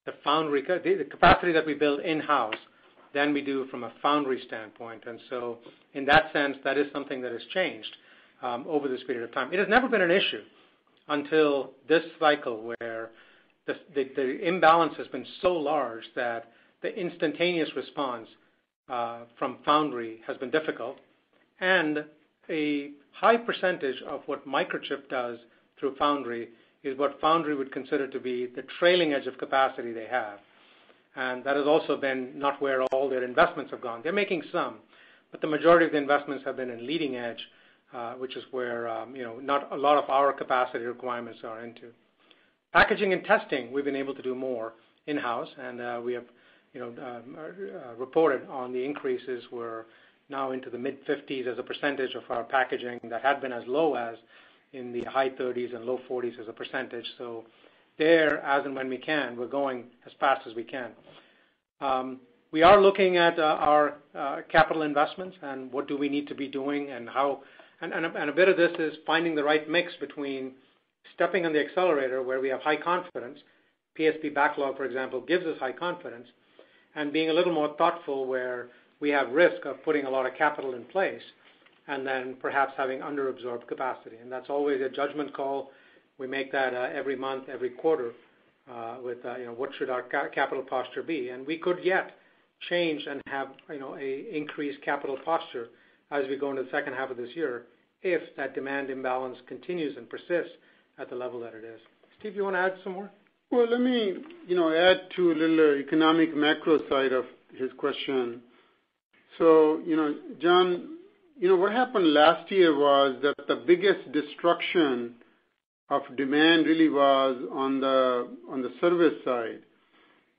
the capacity that we build in-house than we do from a foundry standpoint. In that sense, that is something that has changed over this period of time. It has never been an issue until this cycle where the imbalance has been so large that the instantaneous response from foundry has been difficult. A high percentage of what Microchip does through foundry is what foundry would consider to be the trailing edge of capacity they have. That has also been not where all their investments have gone. They're making some, but the majority of the investments have been in leading edge, which is where not a lot of our capacity requirements are into. Packaging and testing, we've been able to do more in-house, and we have reported on the increases. We're now into the mid-50s as a % of our packaging that had been as low as in the high 30s and low 40s as a %. There, as and when we can, we're going as fast as we can. We are looking at our capital investments and what do we need to be doing and how. A bit of this is finding the right mix between stepping on the accelerator where we have high confidence, PSP backlog, for example, gives us high confidence, and being a little more thoughtful where we have risk of putting a lot of capital in place, and then perhaps having under-absorbed capacity. That's always a judgment call. We make that every month, every quarter, with what should our capital posture be. We could yet change and have an increased capital posture as we go into the second half of this year if that demand imbalance continues and persists at the level that it is. Steve, you want to add some more? Well, let me add to a little economic macro side of his question. John, what happened last year was that the biggest destruction of demand really was on the service side.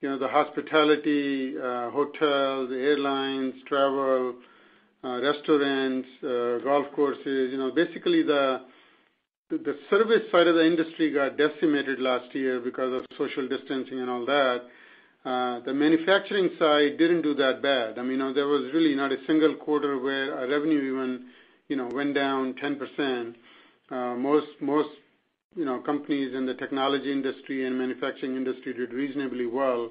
The hospitality, hotels, airlines, travel, restaurants, golf courses, basically, the service side of the industry got decimated last year because of social distancing and all that. The manufacturing side didn't do that bad. There was really not a single quarter where our revenue even went down 10%. Most companies in the technology industry and manufacturing industry did reasonably well.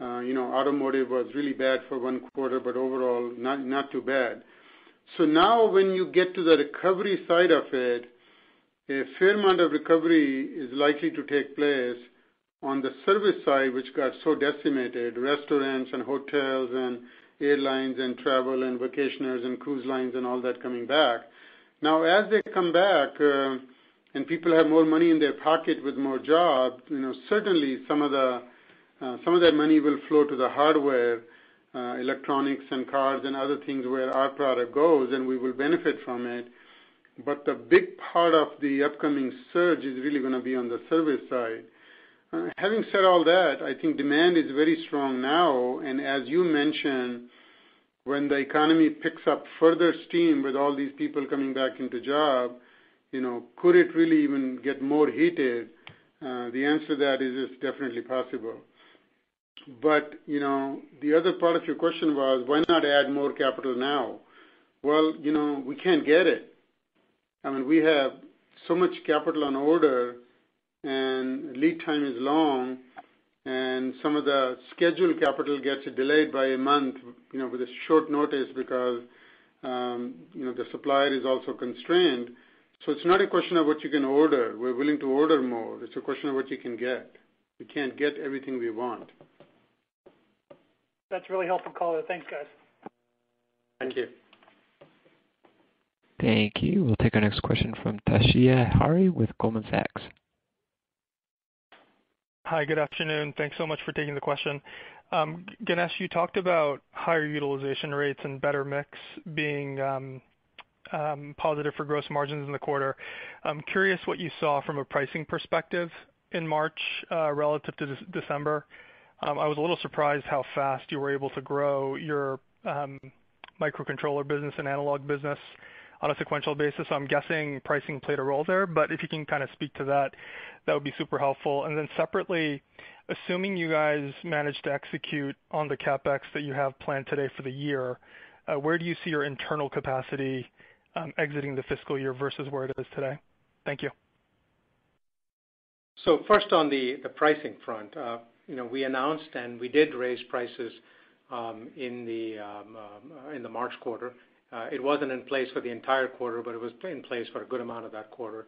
Automotive was really bad for one quarter, but overall not too bad. Now when you get to the recovery side of it, a fair amount of recovery is likely to take place on the service side, which got so decimated, restaurants and hotels and airlines and travel and vacationers and cruise lines and all that coming back. As they come back, people have more money in their pocket with more jobs, certainly some of that money will flow to the hardware, electronics, and cars and other things where our product goes, and we will benefit from it. The big part of the upcoming surge is really going to be on the service side. Having said all that, I think demand is very strong now, as you mentioned, when the economy picks up further steam with all these people coming back into job, could it really even get more heated? The answer to that is it's definitely possible. The other part of your question was why not add more capital now? Well, we can't get it. We have so much capital on order, lead time is long, some of the scheduled capital gets delayed by a month, with a short notice because the supplier is also constrained. It's not a question of what you can order. We're willing to order more. It's a question of what you can get. We can't get everything we want. That's really helpful color. Thanks, guys. Thank you. Thank you. We'll take our next question from Toshiya Hari with Goldman Sachs. Hi, good afternoon. Thanks so much for taking the question. Ganesh, you talked about higher utilization rates and better mix being positive for gross margins in the quarter. I'm curious what you saw from a pricing perspective in March relative to December. I was a little surprised how fast you were able to grow your microcontroller business and analog business on a sequential basis. I'm guessing pricing played a role there, but if you can kind of speak to that would be super helpful. Separately, assuming you guys manage to execute on the CapEx that you have planned today for the year, where do you see your internal capacity exiting the fiscal year versus where it is today? Thank you. First on the pricing front. We announced and we did raise prices in the March quarter. It wasn't in place for the entire quarter, but it was in place for a good amount of that quarter.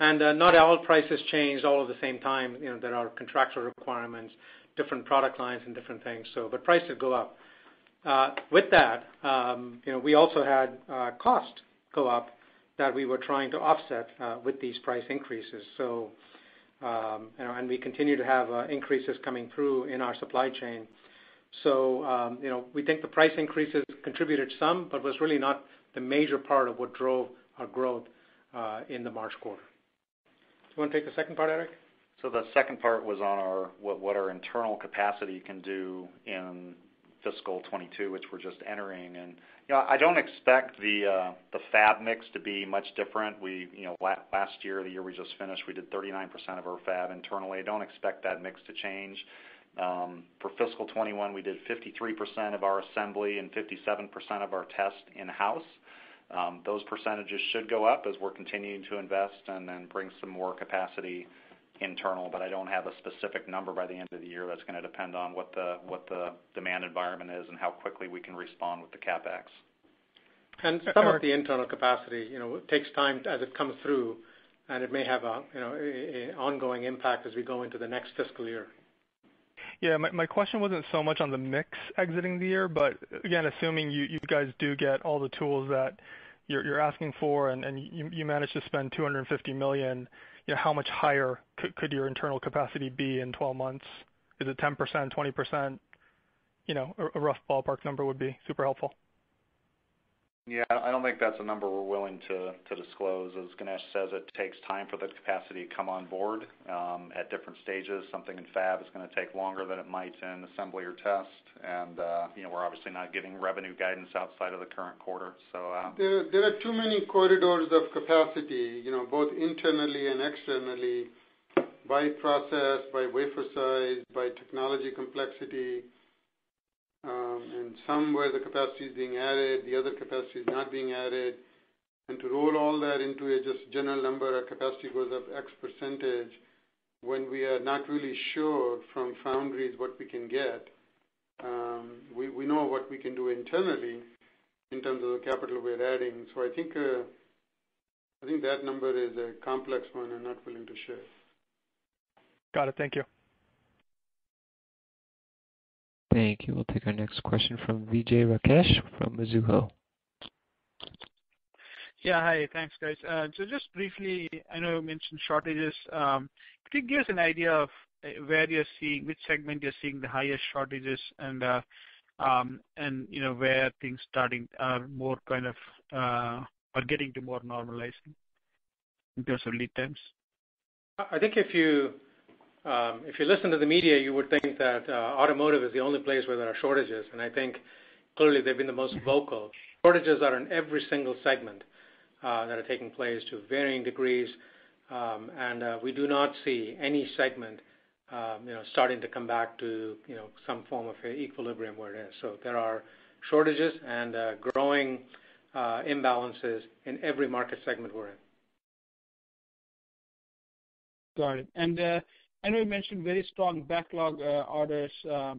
Not all prices changed all at the same time, there are contractual requirements, different product lines and different things. The prices go up. With that, we also had cost go up that we were trying to offset with these price increases. We continue to have increases coming through in our supply chain. We think the price increases contributed some, but was really not the major part of what drove our growth in the March quarter. Do you want to take the second part, Eric? The second part was on what our internal capacity can do in fiscal 2022, which we're just entering. I don't expect the fab mix to be much different. Last year, the year we just finished, we did 39% of our fab internally. I don't expect that mix to change. For fiscal 2021, we did 53% of our assembly and 57% of our test in-house. Those percentages should go up as we're continuing to invest and then bring some more capacity internal, but I don't have a specific number by the end of the year. That's going to depend on what the demand environment is and how quickly we can respond with the CapEx. Some of the internal capacity, it takes time as it comes through, and it may have an ongoing impact as we go into the next fiscal year. Yeah, my question wasn't so much on the mix exiting the year, but again, assuming you guys do get all the tools that you're asking for and you manage to spend $250 million, how much higher could your internal capacity be in 12 months? Is it 10%, 20%? A rough ballpark number would be super helpful. Yeah, I don't think that's a number we're willing to disclose. As Ganesh says, it takes time for the capacity to come on board at different stages. Something in fab is going to take longer than it might in assembly or test. We're obviously not giving revenue guidance outside of the current quarter. There are too many corridors of capacity both internally and externally, by process, by wafer size, by technology complexity, and somewhere the capacity is being added, the other capacity is not being added. To roll all that into a just general number, our capacity goes up X%, when we are not really sure from foundries what we can get. We know what we can do internally in terms of the capital we are adding. I think that number is a complex one I'm not willing to share. Got it. Thank you. Thank you. We'll take our next question from Vijay Rakesh from Mizuho. Yeah, hi. Thanks, guys. Just briefly, I know you mentioned shortages. Could you give us an idea of which segment you're seeing the highest shortages and where things are getting to more normalizing in terms of lead times? I think if you listen to the media, you would think that automotive is the only place where there are shortages. Clearly they've been the most vocal. Shortages are in every single segment that are taking place to varying degrees. We do not see any segment starting to come back to some form of equilibrium where it is. There are shortages and growing imbalances in every market segment we're in. Got it. I know you mentioned very strong backlog orders as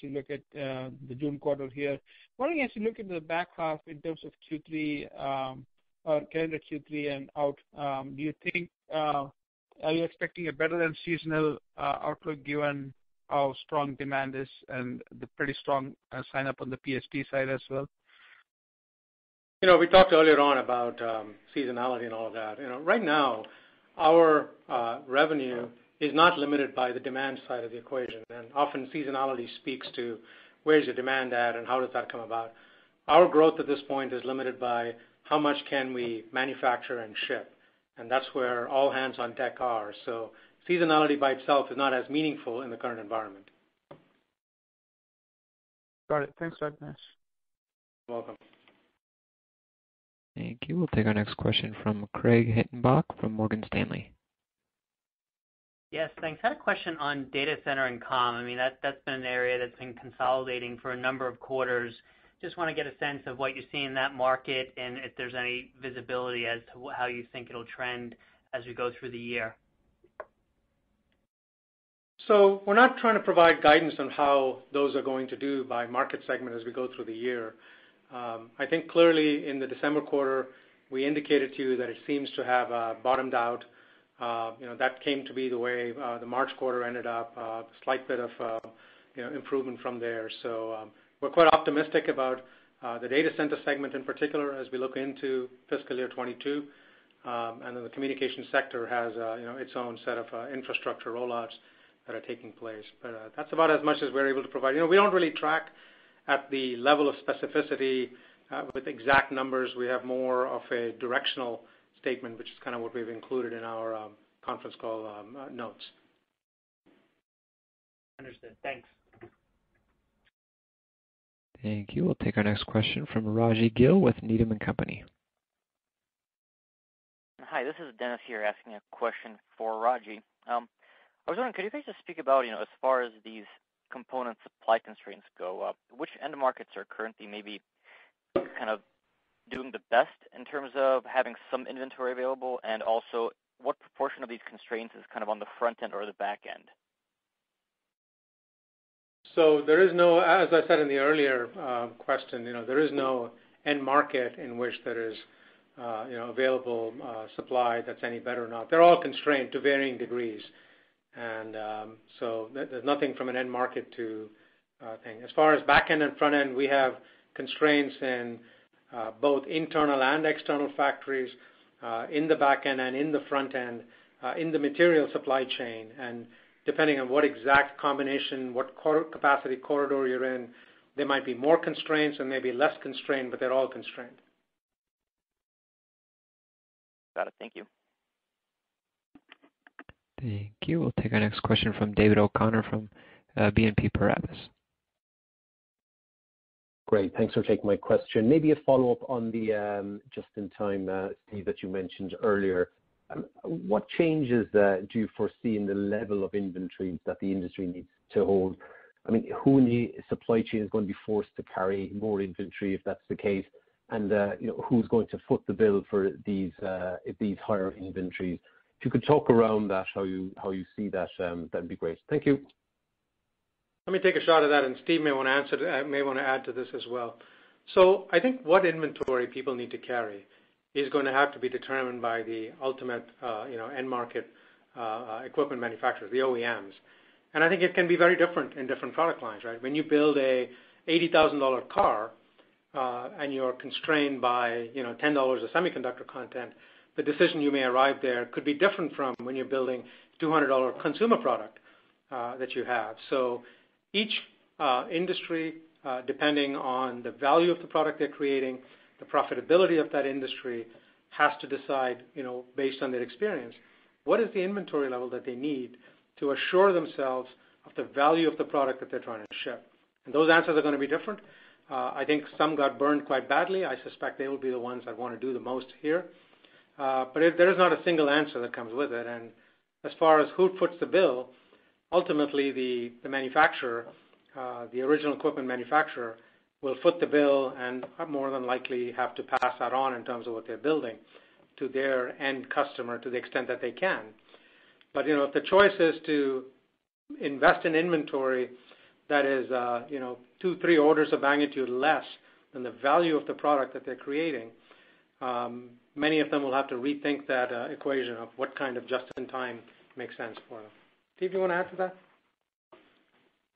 you look at the June quarter here. Wondering as you look into the back half in terms of calendar Q3 and out, are you expecting a better than seasonal outlook given how strong demand is and the pretty strong sign up on the PSP side as well? We talked earlier on about seasonality and all of that. Right now, our revenue is not limited by the demand side of the equation, and often seasonality speaks to where is the demand at and how does that come about. Our growth at this point is limited by how much can we manufacture and ship, and that's where all hands on deck are. Seasonality by itself is not as meaningful in the current environment. Got it. Thanks, Ganesh. You're welcome. Thank you. We'll take our next question from Craig Hettenbach from Morgan Stanley. Yes, thanks. I had a question on data center and comm. That's been an area that's been consolidating for a number of quarters. Just want to get a sense of what you see in that market and if there's any visibility as to how you think it'll trend as we go through the year. We're not trying to provide guidance on how those are going to do by market segment as we go through the year. I think clearly in the December quarter, we indicated to you that it seems to have bottomed out. That came to be the way the March quarter ended up, a slight bit of improvement from there. We're quite optimistic about the data center segment in particular as we look into fiscal year 2022. The communication sector has its own set of infrastructure rollouts that are taking place. That's about as much as we're able to provide. We don't really track at the level of specificity with exact numbers. We have more of a directional statement, which is kind of what we've included in our conference call notes. Understood. Thanks. Thank you. We'll take our next question from Rajvindra Gill with Needham & Company. Hi, this is Dennis here asking a question for Raji. I was wondering, could you guys just speak about, as far as these component supply constraints go up, which end markets are currently maybe kind of doing the best in terms of having some inventory available? Also, what proportion of these constraints is kind of on the front end or the back end? As I said in the earlier question, there is no end market in which there is available supply that's any better or not. They're all constrained to varying degrees. There's nothing from an end market to thing. As far as back end and front end, we have constraints in both internal and external factories, in the back end and in the front end, in the material supply chain. Depending on what exact combination, what capacity corridor you're in, there might be more constraints or maybe less constraint, but they're all constrained. Got it. Thank you. Thank you. We'll take our next question from David O'Connor from BNP Paribas. Great. Thanks for taking my question. Maybe a follow-up on the just-in-time, Steve, that you mentioned earlier. What changes do you foresee in the level of inventory that the industry needs to hold? Who in the supply chain is going to be forced to carry more inventory if that's the case? Who's going to foot the bill for these higher inventories? If you could talk around that, how you see that'd be great. Thank you. Let me take a shot at that, and Steve may want to add to this as well. I think what inventory people need to carry is going to have to be determined by the ultimate end market equipment manufacturer, the OEMs. I think it can be very different in different product lines, right? When you build a $80,000 car, and you're constrained by $10 of semiconductor content, the decision you may arrive there could be different from when you're building $200 consumer product that you have. Each industry, depending on the value of the product they're creating, the profitability of that industry, has to decide, based on their experience, what is the inventory level that they need to assure themselves of the value of the product that they're trying to ship. Those answers are going to be different. I think some got burned quite badly. I suspect they will be the ones that want to do the most here. There is not a single answer that comes with it. As far as who foots the bill, ultimately, the original equipment manufacturer will foot the bill and more than likely have to pass that on in terms of what they're building to their end customer to the extent that they can. If the choice is to invest in inventory that is two, three orders of magnitude less than the value of the product that they're creating, many of them will have to rethink that equation of what kind of just-in-time makes sense for them. Steve, you want to add to that?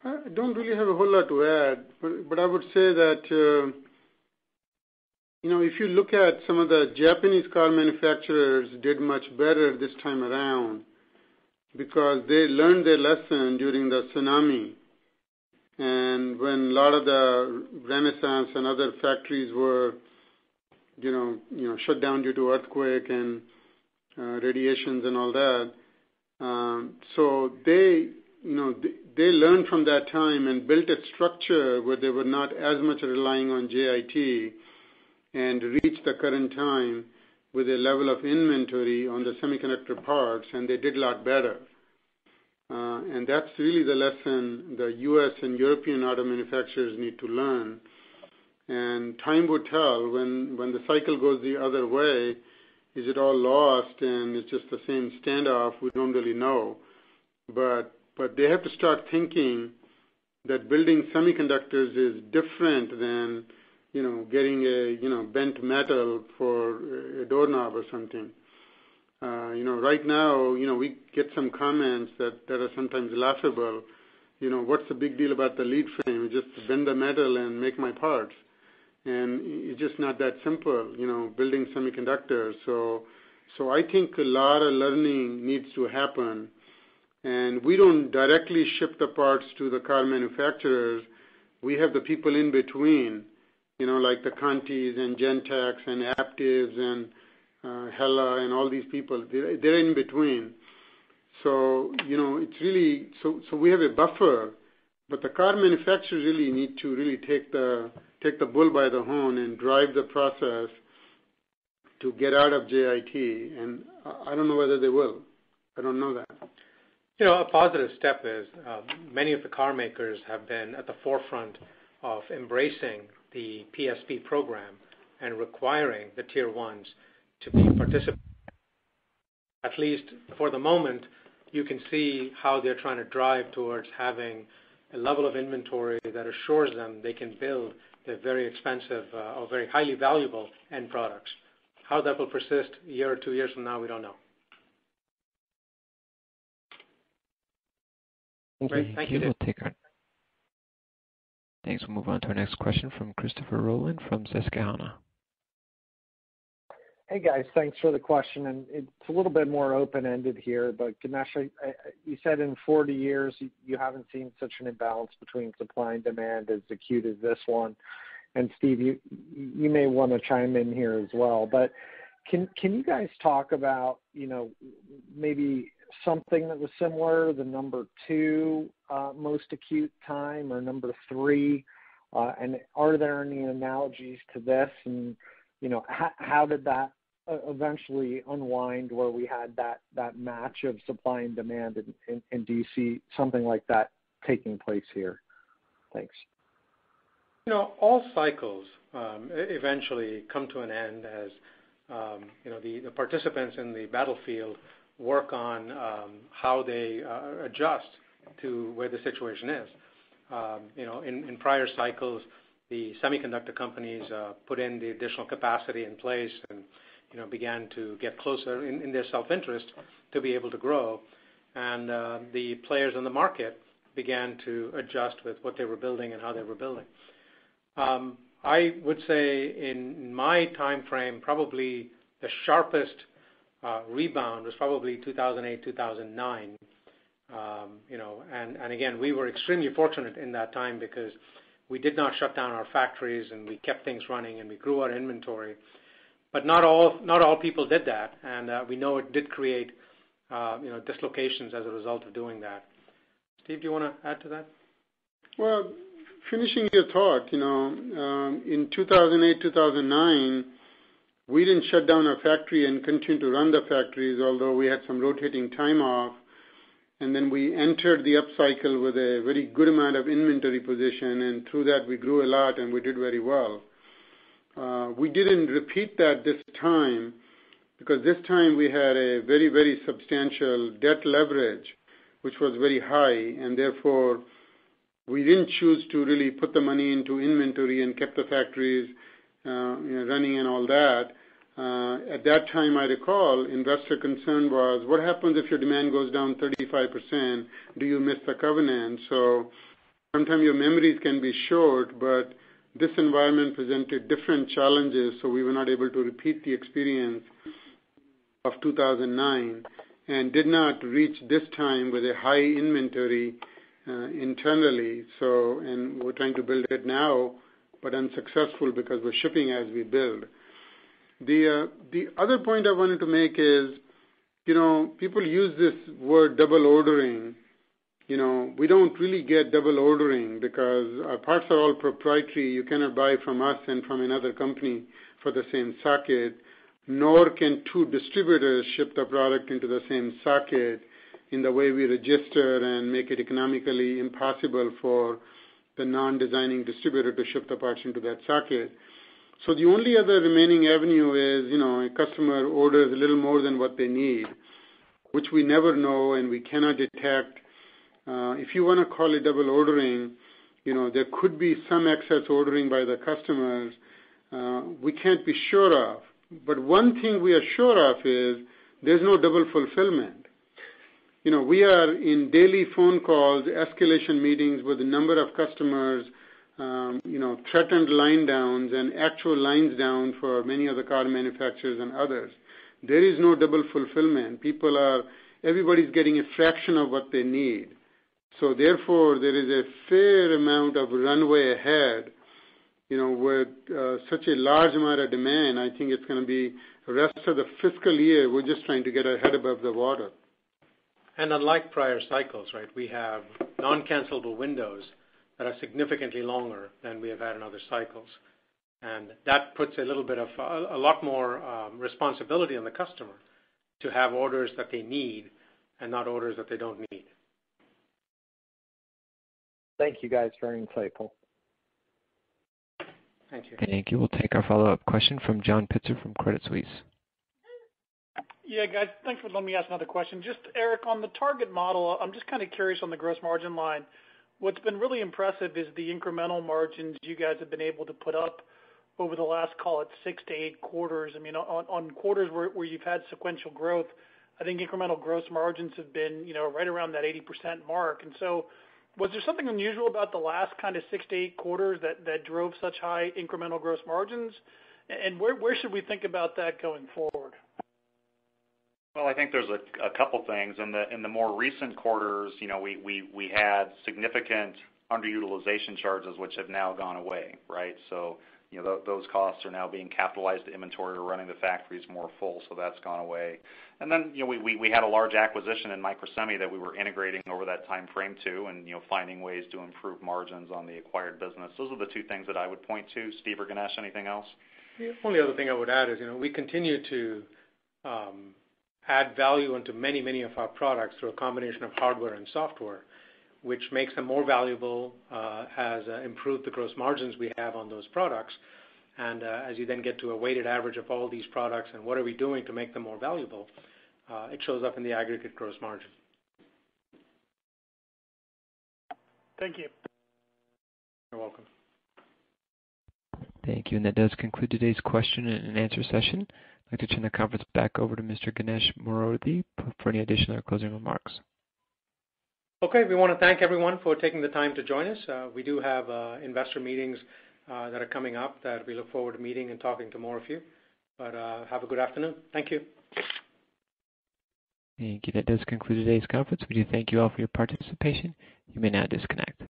I don't really have a whole lot to add. I would say that if you look at some of the Japanese car manufacturers did much better this time around because they learned their lesson during the tsunami. When a lot of the Renesas and other factories were shut down due to earthquake and radiations and all that. They learned from that time and built a structure where they were not as much relying on JIT and reach the current time with a level of inventory on the semiconductor parts. They did a lot better. That's really the lesson the U.S. and European auto manufacturers need to learn. Time will tell when the cycle goes the other way, is it all lost and it's just the same standoff? We don't really know. They have to start thinking that building semiconductors is different than getting bent metal for a doorknob or something. Right now, we get some comments that are sometimes laughable. What's the big deal about the lead frame? Just bend the metal and make my parts. It's just not that simple, building semiconductors. I think a lot of learning needs to happen, and we don't directly ship the parts to the car manufacturers. We have the people in between, like the Continental and Gentex and Aptiv and HELLA and all these people. They're in between. We have a buffer, but the car manufacturers really need to really take the bull by the horn and drive the process to get out of JIT. I don't know whether they will. I don't know that. A positive step is, many of the car makers have been at the forefront of embracing the PSP program and requiring the tier 1s to be participants. At least for the moment, you can see how they're trying to drive towards having a level of inventory that assures them they can build their very expensive or very highly valuable end products. How that will persist a year or two years from now, we don't know. Great. Thank you. Okay, we'll take our Thanks. We'll move on to our next question from Christopher Rolland from Susquehanna. Hey, guys. Thanks for the question. It's a little bit more open-ended here. Ganesh Moorthy, you said in 40 years, you haven't seen such an imbalance between supply and demand as acute as this one. Steve Sanghi, you may want to chime in here as well. Can you guys talk about maybe something that was similar, the number two most acute time or number three? Are there any analogies to this, and how did that eventually unwind where we had that match of supply and demand, and do you see something like that taking place here? Thanks. All cycles eventually come to an end as the participants in the battlefield work on how they adjust to where the situation is. In prior cycles, the semiconductor companies put in the additional capacity in place and began to get closer in their self-interest to be able to grow. The players in the market began to adjust with what they were building and how they were building. I would say in my time frame, probably the sharpest rebound was probably 2008, 2009. Again, we were extremely fortunate in that time because we did not shut down our factories, and we kept things running, and we grew our inventory. Not all people did that, and we know it did create dislocations as a result of doing that. Steve, do you want to add to that? Well, finishing your thought, in 2008, 2009, we didn't shut down our factory and continued to run the factories, although we had some rotating time off. We entered the upcycle with a very good amount of inventory position, and through that, we grew a lot, and we did very well. We didn't repeat that this time because this time we had a very substantial debt leverage, which was very high, and therefore, we didn't choose to really put the money into inventory and kept the factories running and all that. At that time, I recall investor concern was, "What happens if your demand goes down 35%? Do you miss the covenant?" Sometimes your memories can be short, but this environment presented different challenges, so we were not able to repeat the experience of 2009 and did not reach this time with a high inventory internally. We're trying to build it now, unsuccessful because we're shipping as we build. The other point I wanted to make is, people use this word double ordering. We don't really get double ordering because our parts are all proprietary. You cannot buy from us and from another company for the same socket, nor can two distributors ship the product into the same socket in the way we register and make it economically impossible for the non-designing distributor to ship the parts into that socket. The only other remaining avenue is, a customer orders a little more than what they need, which we never know, and we cannot detect. If you want to call it double ordering, there could be some excess ordering by the customers we can't be sure of. One thing we are sure of is there's no double fulfillment. We are in daily phone calls, escalation meetings with a number of customers, threatened line downs and actual lines down for many of the car manufacturers and others. There is no double fulfillment. Everybody's getting a fraction of what they need. Therefore, there is a fair amount of runway ahead. With such a large amount of demand, I think it's going to be the rest of the fiscal year, we're just trying to get our head above the water. Unlike prior cycles, we have non-cancelable windows that are significantly longer than we have had in other cycles. That puts a lot more responsibility on the customer to have orders that they need and not orders that they don't need. Thank you, guys. Very insightful. Thank you. Thank you. We'll take our follow-up question from John Pitzer from Credit Suisse. Yeah, guys. Thanks for letting me ask another question. Just Eric, on the target model, I'm just kind of curious on the gross margin line. What's been really impressive is the incremental margins you guys have been able to put up over the last, call it, six to eight quarters. I mean, on quarters where you've had sequential growth, I think incremental gross margins have been right around that 80% mark. Was there something unusual about the last kind of six to eight quarters that drove such high incremental gross margins? Where should we think about that going forward? Well, I think there's a couple things. In the more recent quarters, we had significant underutilization charges, which have now gone away, right? Those costs are now being capitalized to inventory. We're running the factories more full, so that's gone away. Then we had a large acquisition in Microsemi that we were integrating over that timeframe too, and finding ways to improve margins on the acquired business. Those are the two things that I would point to. Steve or Ganesh, anything else? The only other thing I would add is we continue to add value into many of our products through a combination of hardware and software, which makes them more valuable, has improved the gross margins we have on those products. As you then get to a weighted average of all these products and what are we doing to make them more valuable, it shows up in the aggregate gross margin. Thank you. You're welcome. Thank you. That does conclude today's question and answer session. I'd like to turn the conference back over to Mr. Ganesh Moorthy for any additional closing remarks. Okay. We want to thank everyone for taking the time to join us. We do have investor meetings that are coming up that we look forward to meeting and talking to more of you. Have a good afternoon. Thank you. Thank you. That does conclude today's conference. We do thank you all for your participation. You may now disconnect.